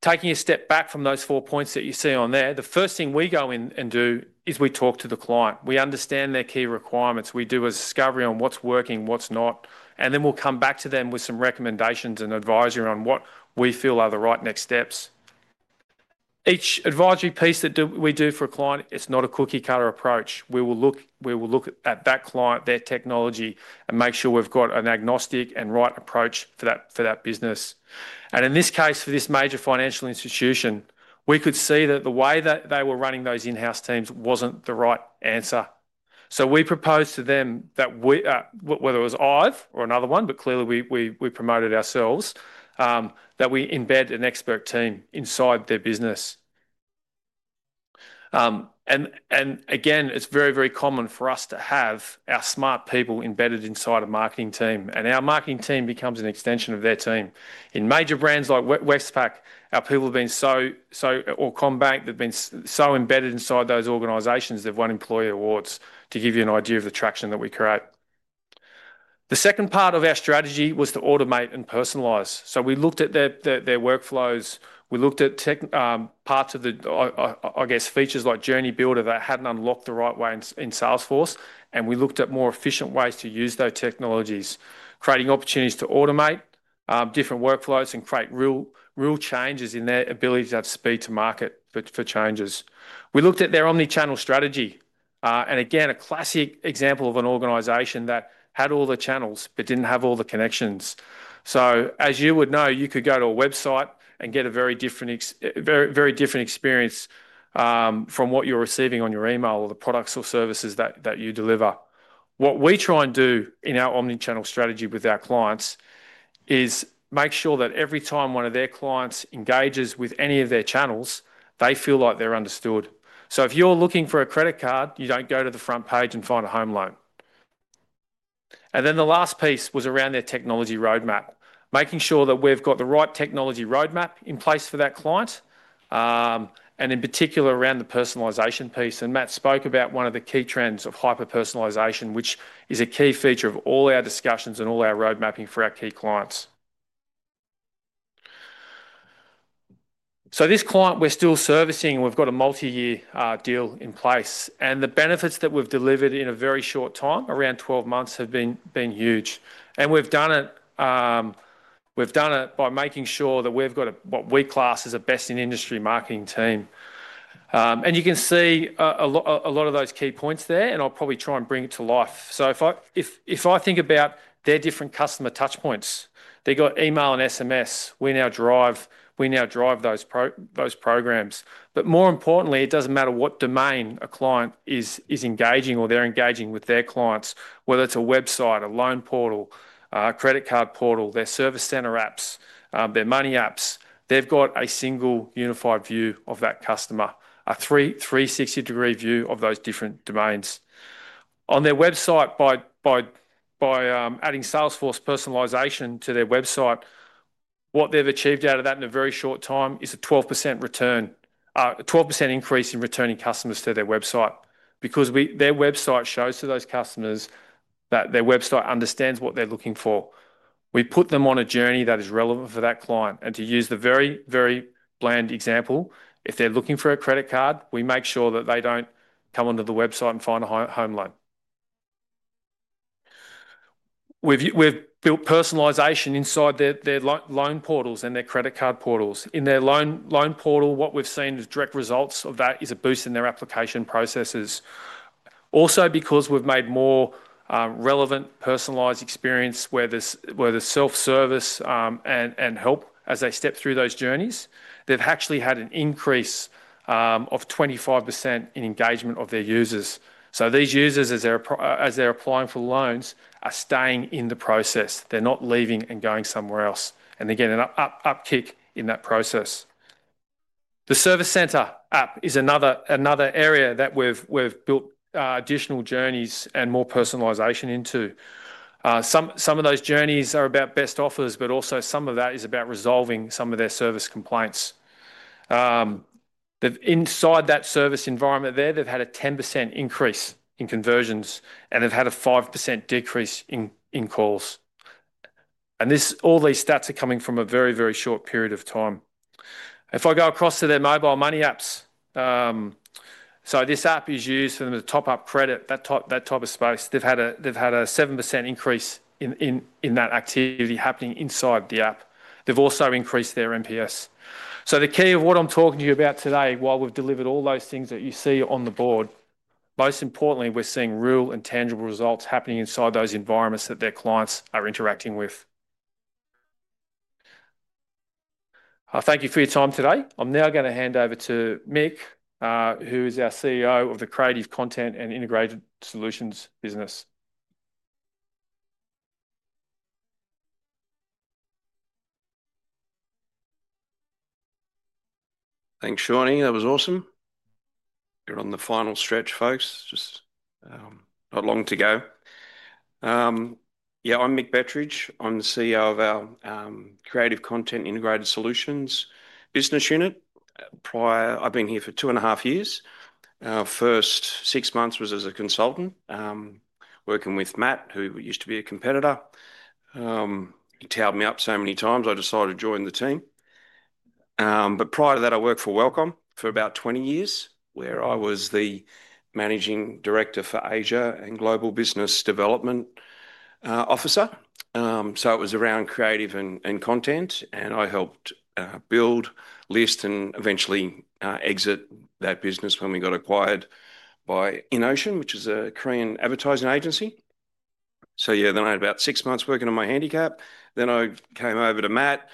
taking a step back from those four points that you see on there, the first thing we go in and do is we talk to the client. We understand their key requirements. We do a discovery on what's working, what's not, and then we'll come back to them with some recommendations and advisory on what we feel are the right next steps. Each advisory piece that we do for a client, it's not a cookie-cutter approach. We will look at that client, their technology, and make sure we've got an agnostic and right approach for that business. In this case, for this major financial institution, we could see that the way that they were running those in-house teams wasn't the right answer. We proposed to them that whether it was IVE or another one, but clearly, we promoted ourselves, that we embed an expert team inside their business. Again, it's very, very common for us to have our smart people embedded inside a marketing team. Our marketing team becomes an extension of their team. In major brands like Westpac, our people have been so, or CommBank, they've been so embedded inside those organizations, they've won employee awards, to give you an idea of the traction that we create. The second part of our strategy was to automate and personalize. We looked at their workflows. We looked at parts of the, I guess, features like Journey Builder that hadn't unlocked the right way in Salesforce, and we looked at more efficient ways to use those technologies, creating opportunities to automate different workflows and create real changes in their ability to have speed to market for changes. We looked at their omnichannel strategy. A classic example of an organization that had all the channels but didn't have all the connections. As you would know, you could go to a website and get a very different experience from what you're receiving on your email or the products or services that you deliver. What we try and do in our omnichannel strategy with our clients is make sure that every time one of their clients engages with any of their channels, they feel like they're understood. If you're looking for a credit card, you don't go to the front page and find a home loan. The last piece was around their technology roadmap, making sure that we've got the right technology roadmap in place for that client, and in particular around the personalization piece. Matt spoke about one of the key trends of hyper-personalization, which is a key feature of all our discussions and all our roadmapping for our key clients. This client, we're still servicing. We've got a multi-year deal in place. The benefits that we've delivered in a very short time, around 12 months, have been huge. We've done it by making sure that we've got what we class as a best-in-industry marketing team. You can see a lot of those key points there, and I'll probably try and bring it to life. If I think about their different customer touchpoints, they've got email and SMS. We now drive those programs. More importantly, it doesn't matter what domain a client is engaging or they're engaging with their clients, whether it's a website, a loan portal, a credit card portal, their service center apps, their money apps. They've got a single unified view of that customer, a 360-degree view of those different domains. On their website, by adding Salesforce personalization to their website, what they've achieved out of that in a very short time is a 12% increase in returning customers to their website because their website shows to those customers that their website understands what they're looking for. We put them on a journey that is relevant for that client. To use the very, very bland example, if they're looking for a credit card, we make sure that they don't come onto the website and find a home loan. We've built personalization inside their loan portals and their credit card portals. In their loan portal, what we've seen as direct results of that is a boost in their application processes. Also, because we've made more relevant, personalized experience where there's self-service and help as they step through those journeys, they've actually had an increase of 25% in engagement of their users. These users, as they're applying for loans, are staying in the process. They're not leaving and going somewhere else. They get an upkick in that process. The service center app is another area that we've built additional journeys and more personalization into. Some of those journeys are about best offers, but also some of that is about resolving some of their service complaints. Inside that service environment there, they've had a 10% increase in conversions, and they've had a 5% decrease in calls. All these stats are coming from a very, very short period of time. If I go across to their mobile money apps, this app is used for them to top up credit, that type of space, they've had a 7% increase in that activity happening inside the app. They've also increased their MPS. The key of what I'm talking to you about today, while we've delivered all those things that you see on the board, most importantly, we're seeing real and tangible results happening inside those environments that their clients are interacting with. Thank you for your time today. I'm now going to hand over to Mick, who is our CEO of the Creative Content & Integrated Solutions business. Thanks, Seanny. That was awesome. We're on the final stretch, folks. Just not long to go. Yeah, I'm Mick Bettridge. I'm the CEO of our Creative Content & Integrated Solutions business unit. I've been here for 2.5 years. First six months was as a consultant working with Matt, who used to be a competitor. He tailed me up so many times I decided to join the team. Prior to that, I worked for Wellcom for about 20 years, where I was the Managing Director for Asia and Global Business Development Officer. It was around creative and content, and I helped build, list, and eventually exit that business when we got acquired by INNOCEAN, which is a Korean advertising agency. Yeah, then I had about six months working on my handicap. I came over to Matt,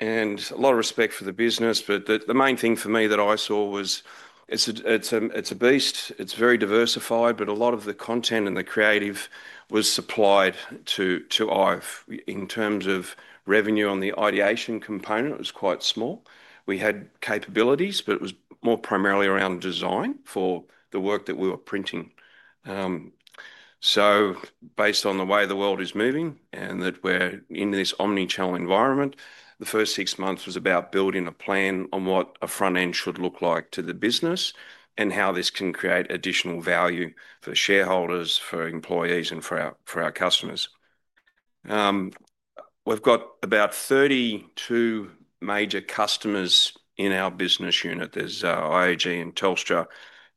and a lot of respect for the business, but the main thing for me that I saw was it's a beast. It's very diversified, but a lot of the content and the creative was supplied to IVE in terms of revenue on the ideation component. It was quite small. We had capabilities, but it was more primarily around design for the work that we were printing. Based on the way the world is moving and that we're in this omnichannel environment, the first six months was about building a plan on what a front end should look like to the business and how this can create additional value for shareholders, for employees, and for our customers. We've got about 32 major customers in our business unit. There's IAG and Telstra,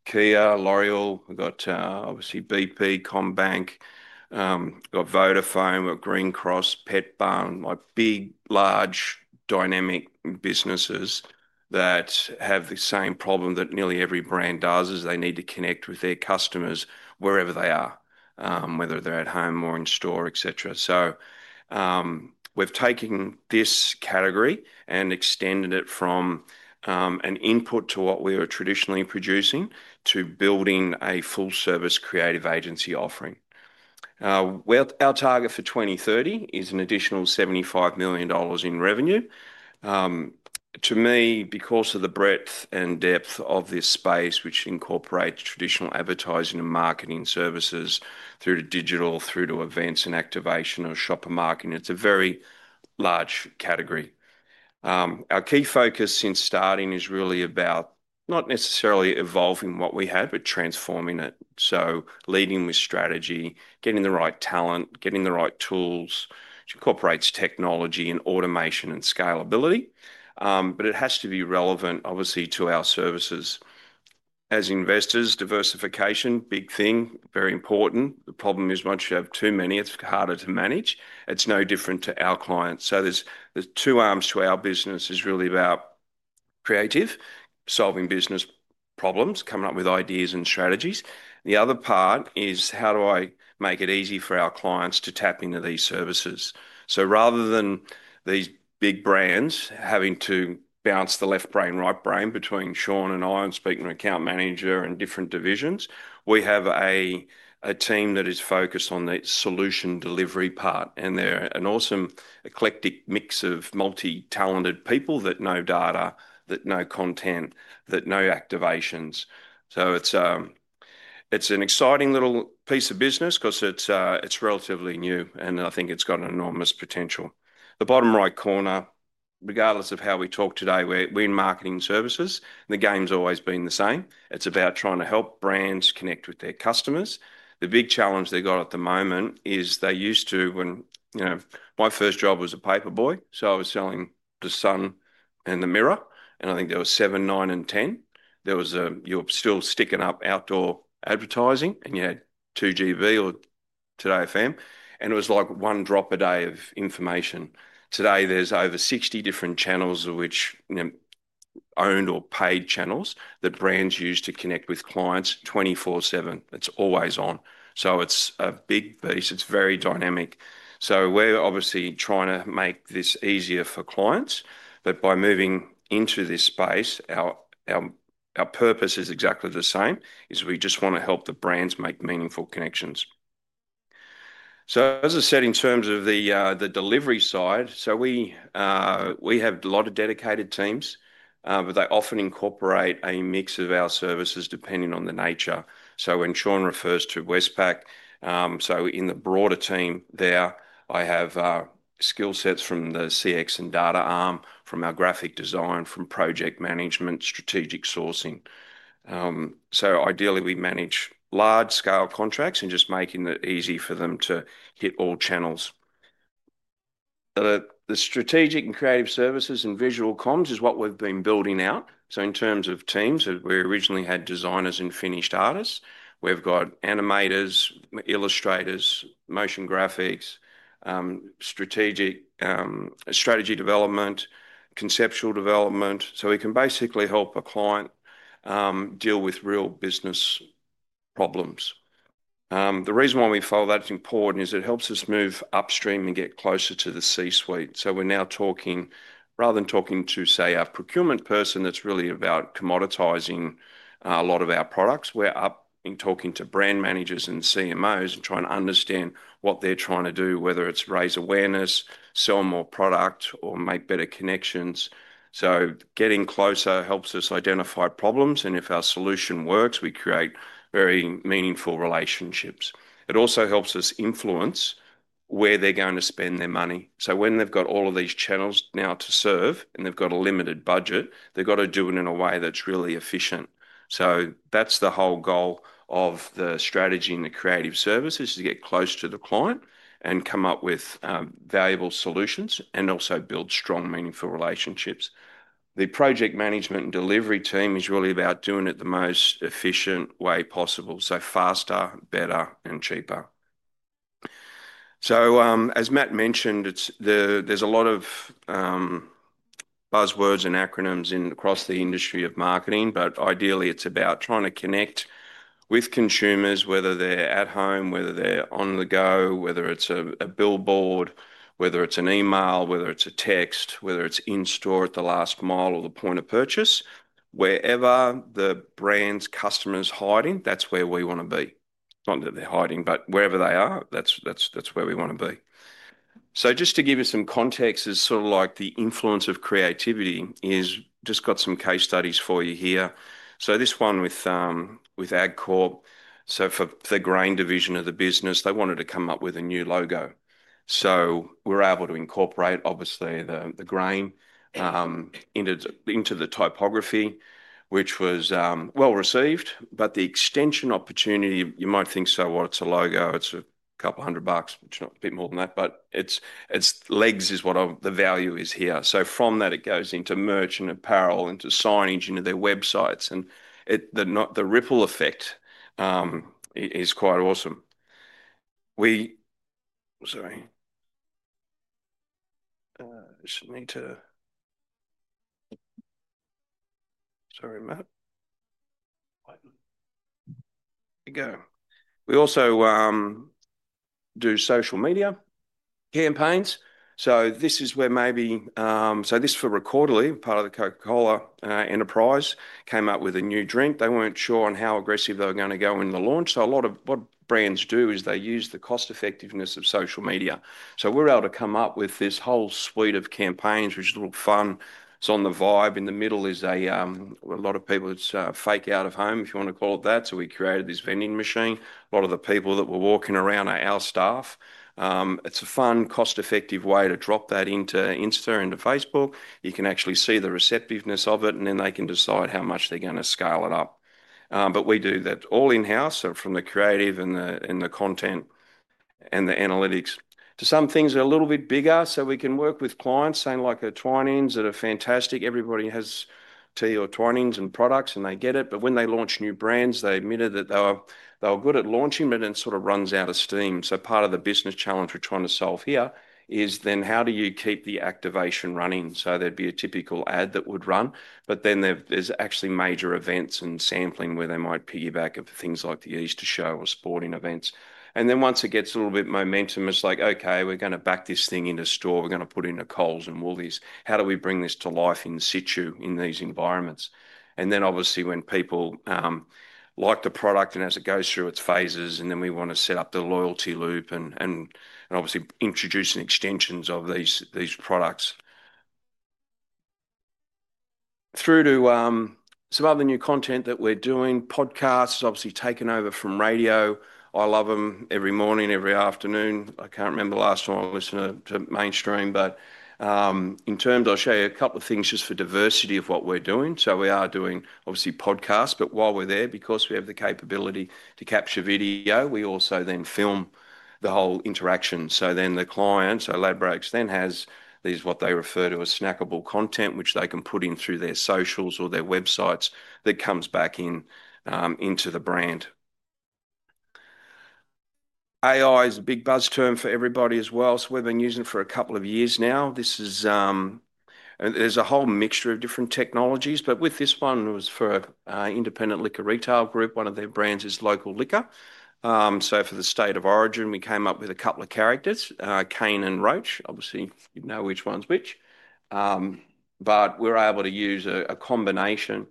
Kia, L'Oreal. We've got obviously BP, CommBank, got Vodafone, we've got Green Cross, Petbarn, like big, large, dynamic businesses that have the same problem that nearly every brand does, is they need to connect with their customers wherever they are, whether they're at home or in store, etc. We've taken this category and extended it from an input to what we were traditionally producing to building a full-service creative agency offering. Our target for 2030 is an additional 75 million dollars in revenue. To me, because of the breadth and depth of this space, which incorporates traditional advertising and marketing services through to digital, through to events and activation or shopper marketing, it's a very large category. Our key focus since starting is really about not necessarily evolving what we have, but transforming it. Leading with strategy, getting the right talent, getting the right tools, which incorporates technology and automation and scalability, but it has to be relevant, obviously, to our services. As investors, diversification, big thing, very important. The problem is once you have too many, it's harder to manage. It's no different to our clients. There's two arms to our business. It's really about creative, solving business problems, coming up with ideas and strategies. The other part is how do I make it easy for our clients to tap into these services. Rather than these big brands having to bounce the left brain, right brain between Sean and I and speaking to an account manager and different divisions, we have a team that is focused on the solution delivery part. They're an awesome, eclectic mix of multi-talented people that know data, that know content, that know activations. It's an exciting little piece of business because it's relatively new, and I think it's got enormous potential. The bottom right corner, regardless of how we talk today, we're in marketing services. The game's always been the same. It's about trying to help brands connect with their customers. The big challenge they've got at the moment is they used to, when my first job was a paper boy, so I was selling The Sun and The Mirror, and I think there were seven, nine, and 10. You were still sticking up outdoor advertising, and you had 2GB or Today FM. It was like one drop a day of information. Today, there's over 60 different channels, which are owned or paid channels that brands use to connect with clients 24/7. It's always on. It's a big beast. It's very dynamic. We're obviously trying to make this easier for clients. By moving into this space, our purpose is exactly the same, we just want to help the brands make meaningful connections. As I said, in terms of the delivery side, we have a lot of dedicated teams, but they often incorporate a mix of our services depending on the nature. When Sean refers to Westpac, in the broader team there, I have skill sets from the CX & Data arm, from our graphic design, from project management, strategic sourcing. Ideally, we manage large-scale contracts and just make it easy for them to hit all channels. The strategic and creative services and visual comms is what we've been building out. In terms of teams, we originally had designers and finished artists. We've got animators, illustrators, motion graphics, strategic strategy development, conceptual development. We can basically help a client deal with real business problems. The reason why we follow that's important is it helps us move upstream and get closer to the C-suite. We're now talking, rather than talking to, say, our procurement person, that's really about commoditizing a lot of our products. We're up in talking to brand managers and CMOs and trying to understand what they're trying to do, whether it's raise awareness, sell more product, or make better connections. Getting closer helps us identify problems. If our solution works, we create very meaningful relationships. It also helps us influence where they're going to spend their money. When they've got all of these channels now to serve, and they've got a limited budget, they've got to do it in a way that's really efficient. That's the whole goal of the strategy and the creative services, is to get close to the client and come up with valuable solutions and also build strong, meaningful relationships. The project management and delivery team is really about doing it the most efficient way possible, so faster, better, and cheaper. As Matt mentioned, there's a lot of buzzwords and acronyms across the industry of marketing, but ideally, it's about trying to connect with consumers, whether they're at home, whether they're on the go, whether it's a billboard, whether it's an email, whether it's a text, whether it's in store at the last mile or the point of purchase. Wherever the brand's customers are hiding, that's where we want to be. Not that they're hiding, but wherever they are, that's where we want to be. Just to give you some context, it's sort of like the influence of creativity. I've just got some case studies for you here. This one with GrainCorp. For the grain division of the business, they wanted to come up with a new logo. We were able to incorporate, obviously, the grain into the typography, which was well received, but the extension opportunity, you might think, "So what? It's a logo. It's a couple hundred bucks," which is not, a bit more than that, but its legs is what the value is here. From that, it goes into merch and apparel, into signage, into their websites. The ripple effect is quite awesome. Sorry. Sorry, Matt. There you go. We also do social media campaigns. This is where maybe, so this is for Reckitt, part of the Coca-Cola Enterprise, came up with a new drink. They weren't sure on how aggressive they were going to go in the launch. A lot of what brands do is they use the cost-effectiveness of social media. We're able to come up with this whole suite of campaigns, which is a little fun. It's on the vibe. In the middle is a lot of people, it's fake out of home, if you want to call it that. We created this vending machine. A lot of the people that were walking around are our staff. It's a fun, cost-effective way to drop that into Instagram, into Facebook. You can actually see the receptiveness of it, and then they can decide how much they're going to scale it up. We do that all in-house, from the creative and the content and the analytics. To some things are a little bit bigger, so we can work with clients saying like the Twinings, that are fantastic. Everybody has tea or Twinings and products, and they get it. But when they launch new brands, they admit that they were good at launching, but it sort of runs out of steam. Part of the business challenge we're trying to solve here is then how do you keep the activation running? There would be a typical ad that would run, but then there's actually major events and sampling where they might piggyback off things like the Easter show or sporting events. Once it gets a little bit momentum, it's like, "Okay, we're going to back this thing into store. We're going to put in a Coles and Woolworths. How do we bring this to life in situ in these environments? Obviously, when people like the product and as it goes through its phases, we want to set up the loyalty loop and introduce extensions of these products through to some other new content that we are doing. Podcasts, obviously, have taken over from radio. I love them every morning, every afternoon. I cannot remember the last time I listened to mainstream, but in terms, I will show you a couple of things just for diversity of what we are doing. We are doing, obviously, podcasts, but while we are there, because we have the capability to capture video, we also then film the whole interaction. Then the client, so Ladbrokes, then has these, what they refer to as snackable content, which they can put in through their socials or their websites that comes back into the brand. AI is a big buzz term for everybody as well. We've been using it for a couple of years now. There's a whole mixture of different technologies, but with this one, it was for an independent liquor retail group. One of their brands is Local Liquor. For the state of origin, we came up with a couple of characters, Cane and Roach, obviously, you know which one's which. We're able to use a combination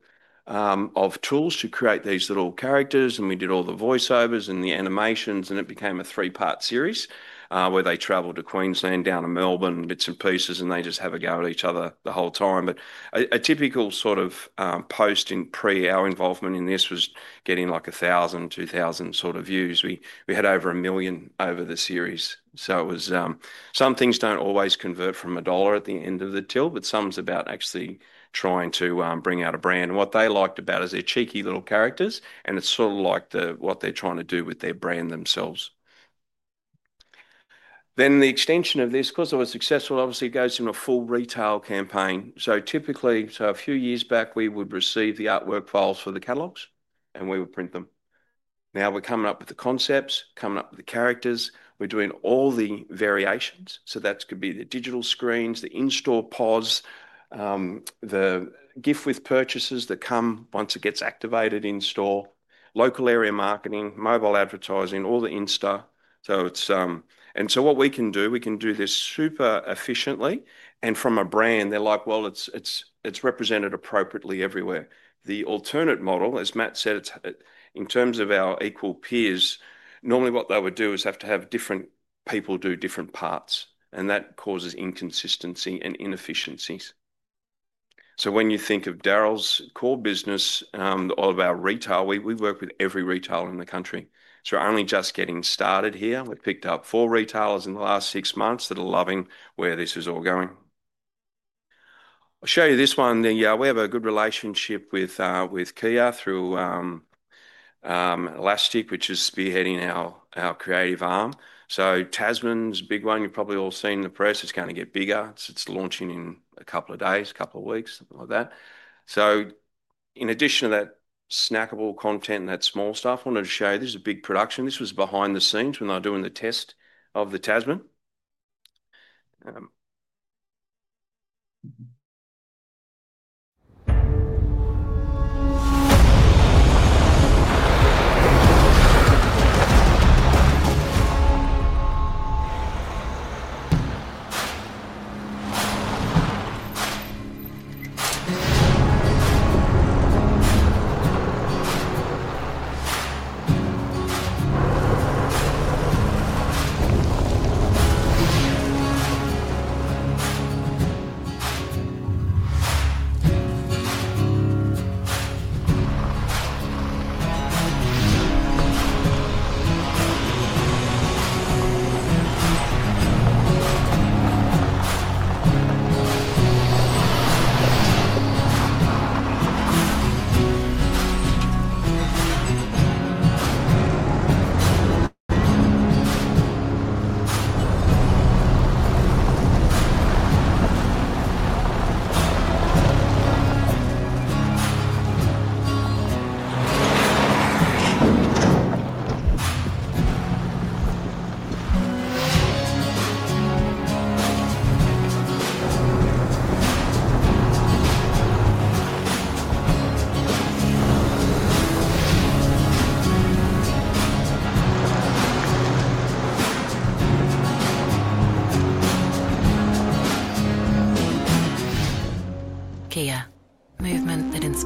of tools to create these little characters, and we did all the voiceovers and the animations, and it became a three-part series where they travel to Queensland, down to Melbourne, bits and pieces, and they just have a go at each other the whole time. A typical sort of post in pre our involvement in this was getting like 1,000-2,000 sort of views. We had over a million over the series. Some things do not always convert from a dollar at the end of the till, but some is about actually trying to bring out a brand. What they liked about it is they're cheeky little characters, and it's sort of like what they're trying to do with their brand themselves. The extension of this, because it was successful, obviously, goes into a full retail campaign. Typically, a few years back, we would receive the artwork files for the catalogs, and we would print them. Now we're coming up with the concepts, coming up with the characters. We're doing all the variations. That could be the digital screens, the in-store pods, the gift with purchases that come once it gets activated in store, local area marketing, mobile advertising, all the Insta. What we can do, we can do this super efficiently. From a brand, they're like, "Well, it's represented appropriately everywhere." The alternate model, as Matt said, in terms of our equal peers, normally what they would do is have to have different people do different parts, and that causes inconsistency and inefficiencies. When you think of Darryl's core business, all of our retail, we work with every retailer in the country. We're only just getting started here. We've picked up four retailers in the last six months that are loving where this is all going. I'll show you this one. We have a good relationship with Kia through Elastic, which is spearheading our creative arm. Tasman's a big one. You've probably all seen the press. It's going to get bigger. It's launching in a couple of days, a couple of weeks, something like that. In addition to that snackable content and that small stuff, I wanted to show you this is a big production. This was behind the scenes when they were doing the test of the Tasman.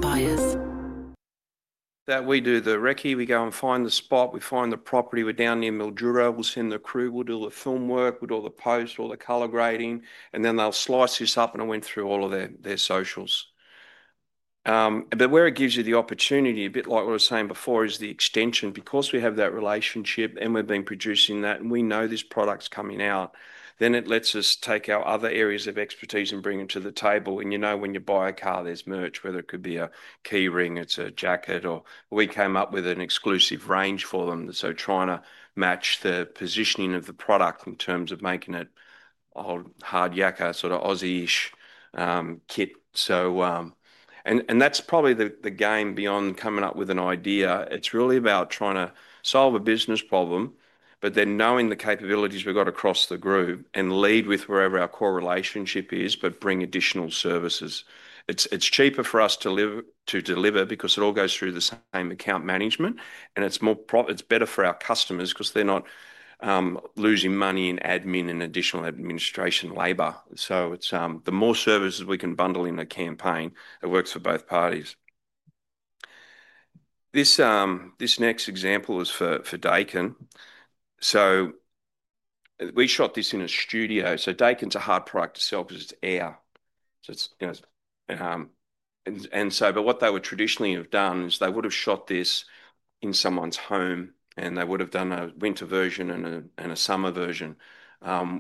Kia, movement that inspires. We do the recce, we go and find the spot. We find the property. We're down near Mildura. We'll send the crew. We'll do the film work. We'll do all the post, all the color grading. They'll slice this up, and I went through all of their socials. Where it gives you the opportunity, a bit like what I was saying before, is the extension. Because we have that relationship and we've been producing that, and we know this product's coming out, it lets us take our other areas of expertise and bring it to the table. You know when you buy a car, there's merch, whether it could be a key ring, it's a jacket, or we came up with an exclusive range for them. Trying to match the positioning of the product in terms of making it a hard yucker, sort of Aussie-ish kit. That's probably the game beyond coming up with an idea. It's really about trying to solve a business problem, but then knowing the capabilities we've got across the group and lead with wherever our core relationship is, but bring additional services. It's cheaper for us to deliver because it all goes through the same account management, and it's better for our customers because they're not losing money in admin and additional administration labor. The more services we can bundle in a campaign, it works for both parties. This next example is for Daikin. We shot this in a studio. Daikin's a hard product to sell because it's air. What they would traditionally have done is they would have shot this in someone's home, and they would have done a winter version and a summer version.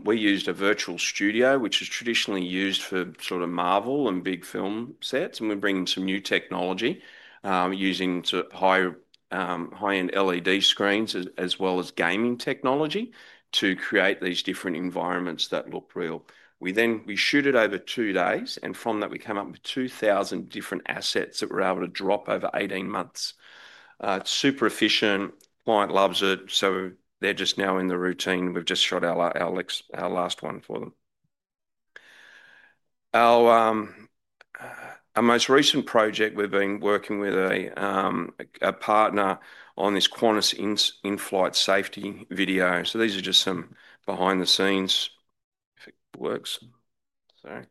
We used a virtual studio, which is traditionally used for sort of Marvel and big film sets, and we're bringing some new technology using high-end LED screens as well as gaming technology to create these different environments that look real. We shot over two days, and from that, we came up with 2,000 different assets that we're able to drop over 18 months. It's super efficient. Client loves it. They're just now in the routine. We've just shot our last one for them. Our most recent project, we've been working with a partner on this Qantas in-flight safety video. These are just some behind the scenes. If it works. Sorry.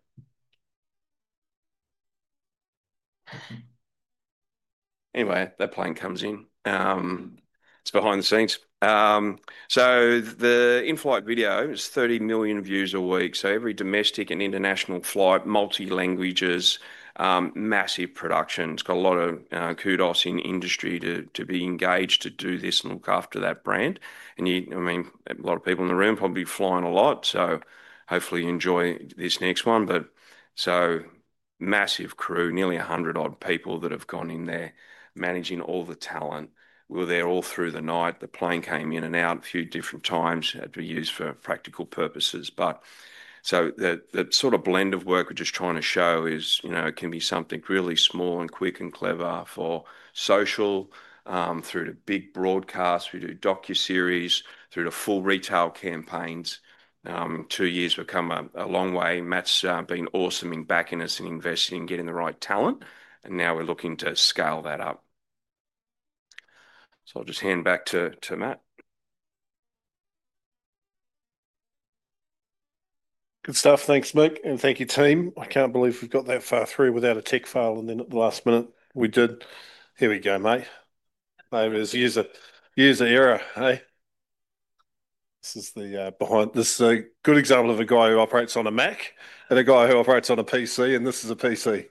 Anyway, that plane comes in. It's behind the scenes. The in-flight video is 30 million views a week. Every domestic and international flight, multi-languages, massive production. It's got a lot of kudos in industry to be engaged to do this and look after that brand. I mean, a lot of people in the room probably flying a lot, so hopefully enjoy this next one. Massive crew, nearly 100-odd people that have gone in there managing all the talent. We were there all through the night. The plane came in and out a few different times. It had to be used for practical purposes. The sort of blend of work we're just trying to show is it can be something really small and quick and clever for social, through to big broadcasts, through to docu-series, through to full retail campaigns. Two years become a long way. Matt's been awesome in backing us and investing and getting the right talent, and now we're looking to scale that up. I'll just hand back to Matt. Good stuff. Thanks, Mike, and thank you, team. I can't believe we've got that far through without a tech file, and then at the last minute, we did. Here we go, mate. There it is. User error, hey. This is a good example of a guy who operates on a Mac and a guy who operates on a PC, and this is a PC.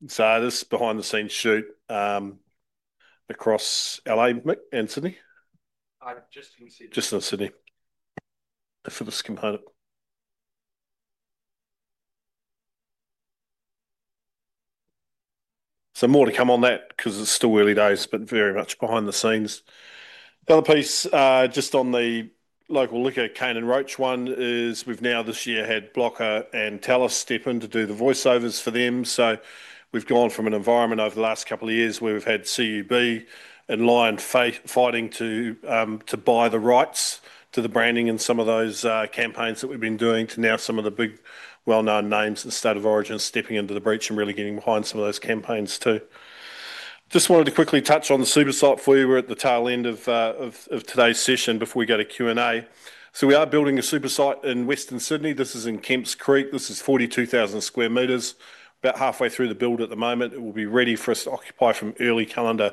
This is behind-the-scenes shoot across LA, Mick and Sydney. Just in Sydney. Just in Sydney. For this component. More to come on that because it's still early days, but very much behind the scenes. The other piece just on the Local Liquor, Cane and Roach one is we've now this year had Blocker and Tellus step in to do the voiceovers for them. We've gone from an environment over the last couple of years where we've had CUB and Lion fighting to buy the rights to the branding and some of those campaigns that we've been doing to now some of the big well-known names in the state of origin stepping into the breach and really getting behind some of those campaigns too. I just wanted to quickly touch on the super site for you. We're at the tail end of today's session before we go to Q&A. We are building a super site in Western Sydney. This is in Kemps Creek. This is 42,000 m², about halfway through the build at the moment. It will be ready for us to occupy from early calendar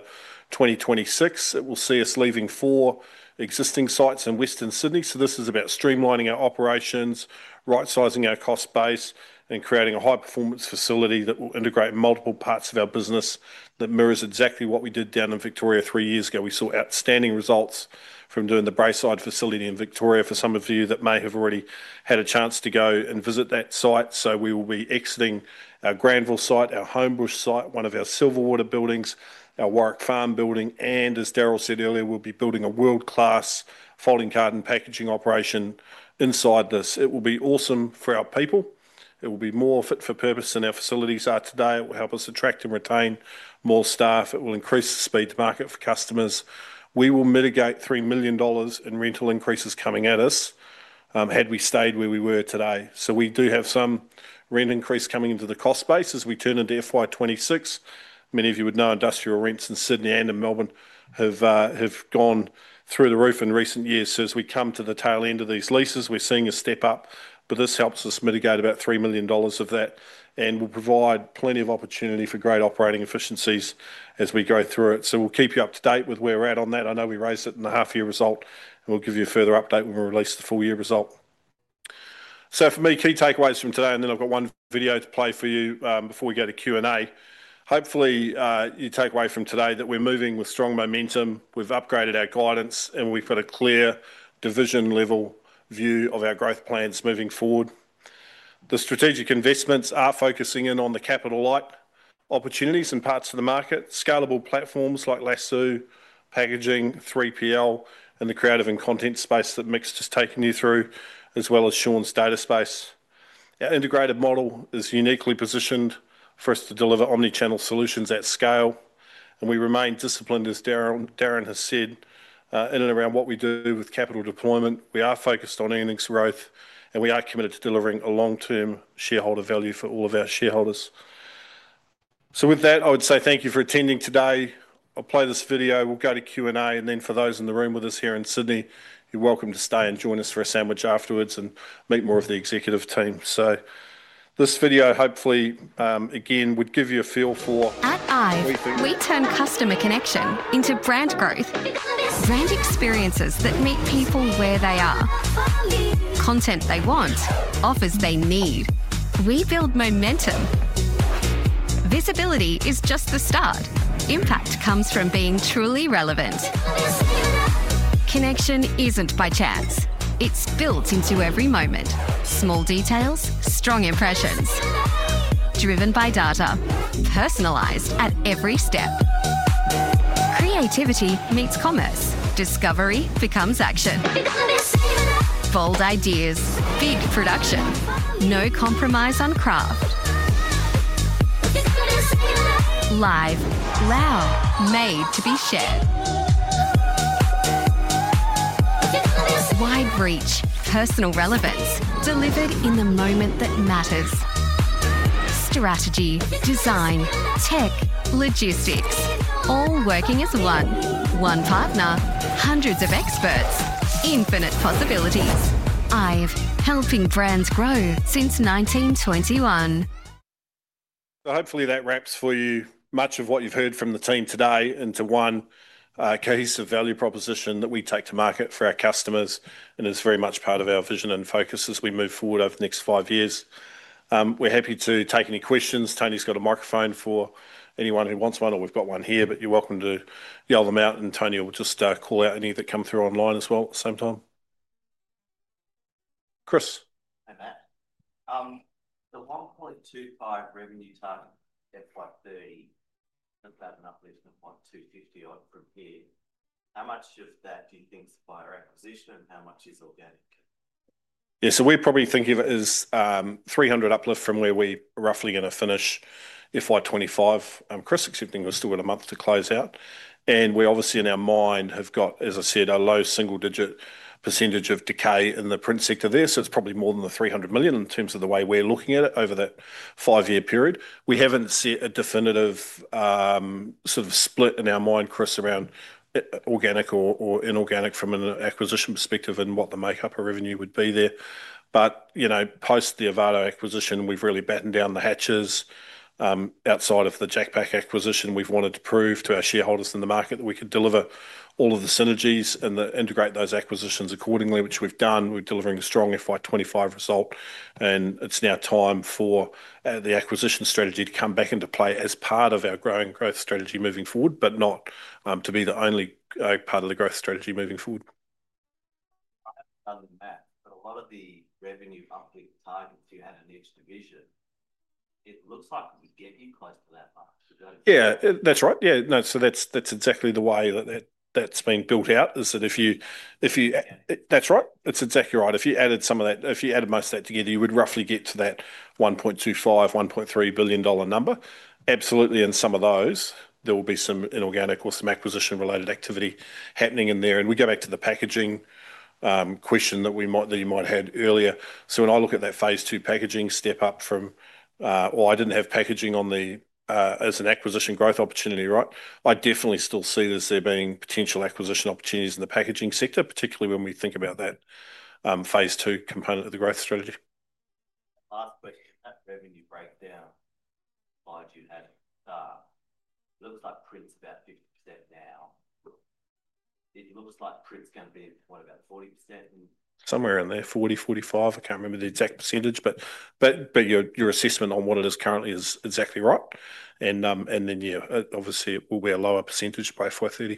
2026. It will see us leaving four existing sites in Western Sydney. This is about streamlining our operations, right-sizing our cost base, and creating a high-performance facility that will integrate multiple parts of our business that mirrors exactly what we did down in Victoria three years ago. We saw outstanding results from doing the Braeside facility in Victoria for some of you that may have already had a chance to go and visit that site. We will be exiting our Granville site, our Homebush site, one of our Silverwater buildings, our Warwick Farm building, and as Darryl said earlier, we'll be building a world-class folding carton packaging operation inside this. It will be awesome for our people. It will be more fit for purpose than our facilities are today. It will help us attract and retain more staff. It will increase the speed to market for customers. We will mitigate 3 million dollars in rental increases coming at us had we stayed where we were today. We do have some rent increase coming into the cost base as we turn into FY 2026. Many of you would know industrial rents in Sydney and in Melbourne have gone through the roof in recent years. As we come to the tail end of these leases, we're seeing a step up, but this helps us mitigate about 3 million dollars of that and will provide plenty of opportunity for great operating efficiencies as we go through it. We will keep you up to date with where we're at on that. I know we raised it in the half-year result, and we'll give you a further update when we release the full-year result. For me, key takeaways from today, and then I've got one video to play for you before we go to Q&A. Hopefully, your takeaway from today is that we're moving with strong momentum, we've upgraded our guidance, and we've got a clear division-level view of our growth plans moving forward. The strategic investments are focusing in on the capital-light opportunities in parts of the market, scalable platforms like Lasoo, Packaging, 3PL, and the creative and content space that Mick's just taken you through, as well as Sean's data space. Our integrated model is uniquely positioned for us to deliver omnichannel solutions at scale. We remain disciplined, as Darren has said, in and around what we do with capital deployment. We are focused on earnings growth, and we are committed to delivering long-term shareholder value for all of our shareholders. With that, I would say thank you for attending today. I'll play this video. We'll go to Q&A, and then for those in the room with us here in Sydney, you're welcome to stay and join us for a sandwich afterwards and meet more of the executive team. This video, hopefully, again, would give you a feel for. At IVE, we turn customer connection into brand growth. Brand experiences that meet people where they are. Content they want, offers they need. We build momentum. Visibility is just the start. Impact comes from being truly relevant. Connection isn't by chance. It's built into every moment. Small details, strong impressions. Driven by data. Personalized at every step. Creativity meets commerce. Discovery becomes action. Bold ideas. Big production. No compromise on craft. Live, loud, made to be shared. Wide reach, personal relevance, delivered in the moment that matters. Strategy, design, tech, logistics, all working as one. One partner, hundreds of experts, infinite possibilities. IVE, helping brands grow since 1921. Hopefully that wraps for you much of what you've heard from the team today into one case of value proposition that we take to market for our customers, and it's very much part of our vision and focus as we move forward over the next five years. We're happy to take any questions. Tony's got a microphone for anyone who wants one, or we've got one here, but you're welcome to yell them out, and Tony will just call out any that come through online as well at the same time. Chris. Hi Matt. The 1.25 billion revenue target FY 2030, that's at an uplift of 1.250 billion odd from here. How much of that do you think is via acquisition, and how much is organic? Yeah, so we're probably thinking of it as 300 million uplift from where we're roughly going to finish FY 2025, Chris, excepting we've still got a month to close out. We obviously, in our mind, have got, as I said, a low single-digit percentage of decay in the print sector there, so it's probably more than the 300 million in terms of the way we're looking at it over that five-year period. We haven't set a definitive sort of split in our mind, Chris, around organic or inorganic from an acquisition perspective and what the makeup of revenue would be there. Post the Ovato acquisition, we've really battened down the hatches. Outside of the JacPak acquisition, we've wanted to prove to our shareholders in the market that we could deliver all of the synergies and integrate those acquisitions accordingly, which we've done. We're delivering a strong FY 2025 result, and it's now time for the acquisition strategy to come back into play as part of our growing growth strategy moving forward, but not to be the only part of the growth strategy moving forward. Other than that, a lot of the revenue uplift targets you had in each division, it looks like we'd get you close to that mark. Yeah, that's right. Yeah. No, that's exactly the way that that's been built out, is that if you—that's right. That's exactly right. If you added some of that, if you added most of that together, you would roughly get to that 1.25 billion-1.3 billion dollar number. Absolutely. Some of those, there will be some inorganic or some acquisition-related activity happening in there. We go back to the packaging question that you might have had earlier. When I look at that phase two packaging step up from, well, I did not have packaging on as an acquisition growth opportunity, right? I definitely still see there being potential acquisition opportunities in the packaging sector, particularly when we think about that phase two component of the growth strategy. Last question. That revenue breakdown slide you had, it looks like print is about 50% now. It looks like print is going to be at about 40%. Somewhere in there, 40%-45%. I cannot remember the exact percentage, but your assessment on what it is currently is exactly right. Then, yeah, obviously, it will be a lower percentage, by 40.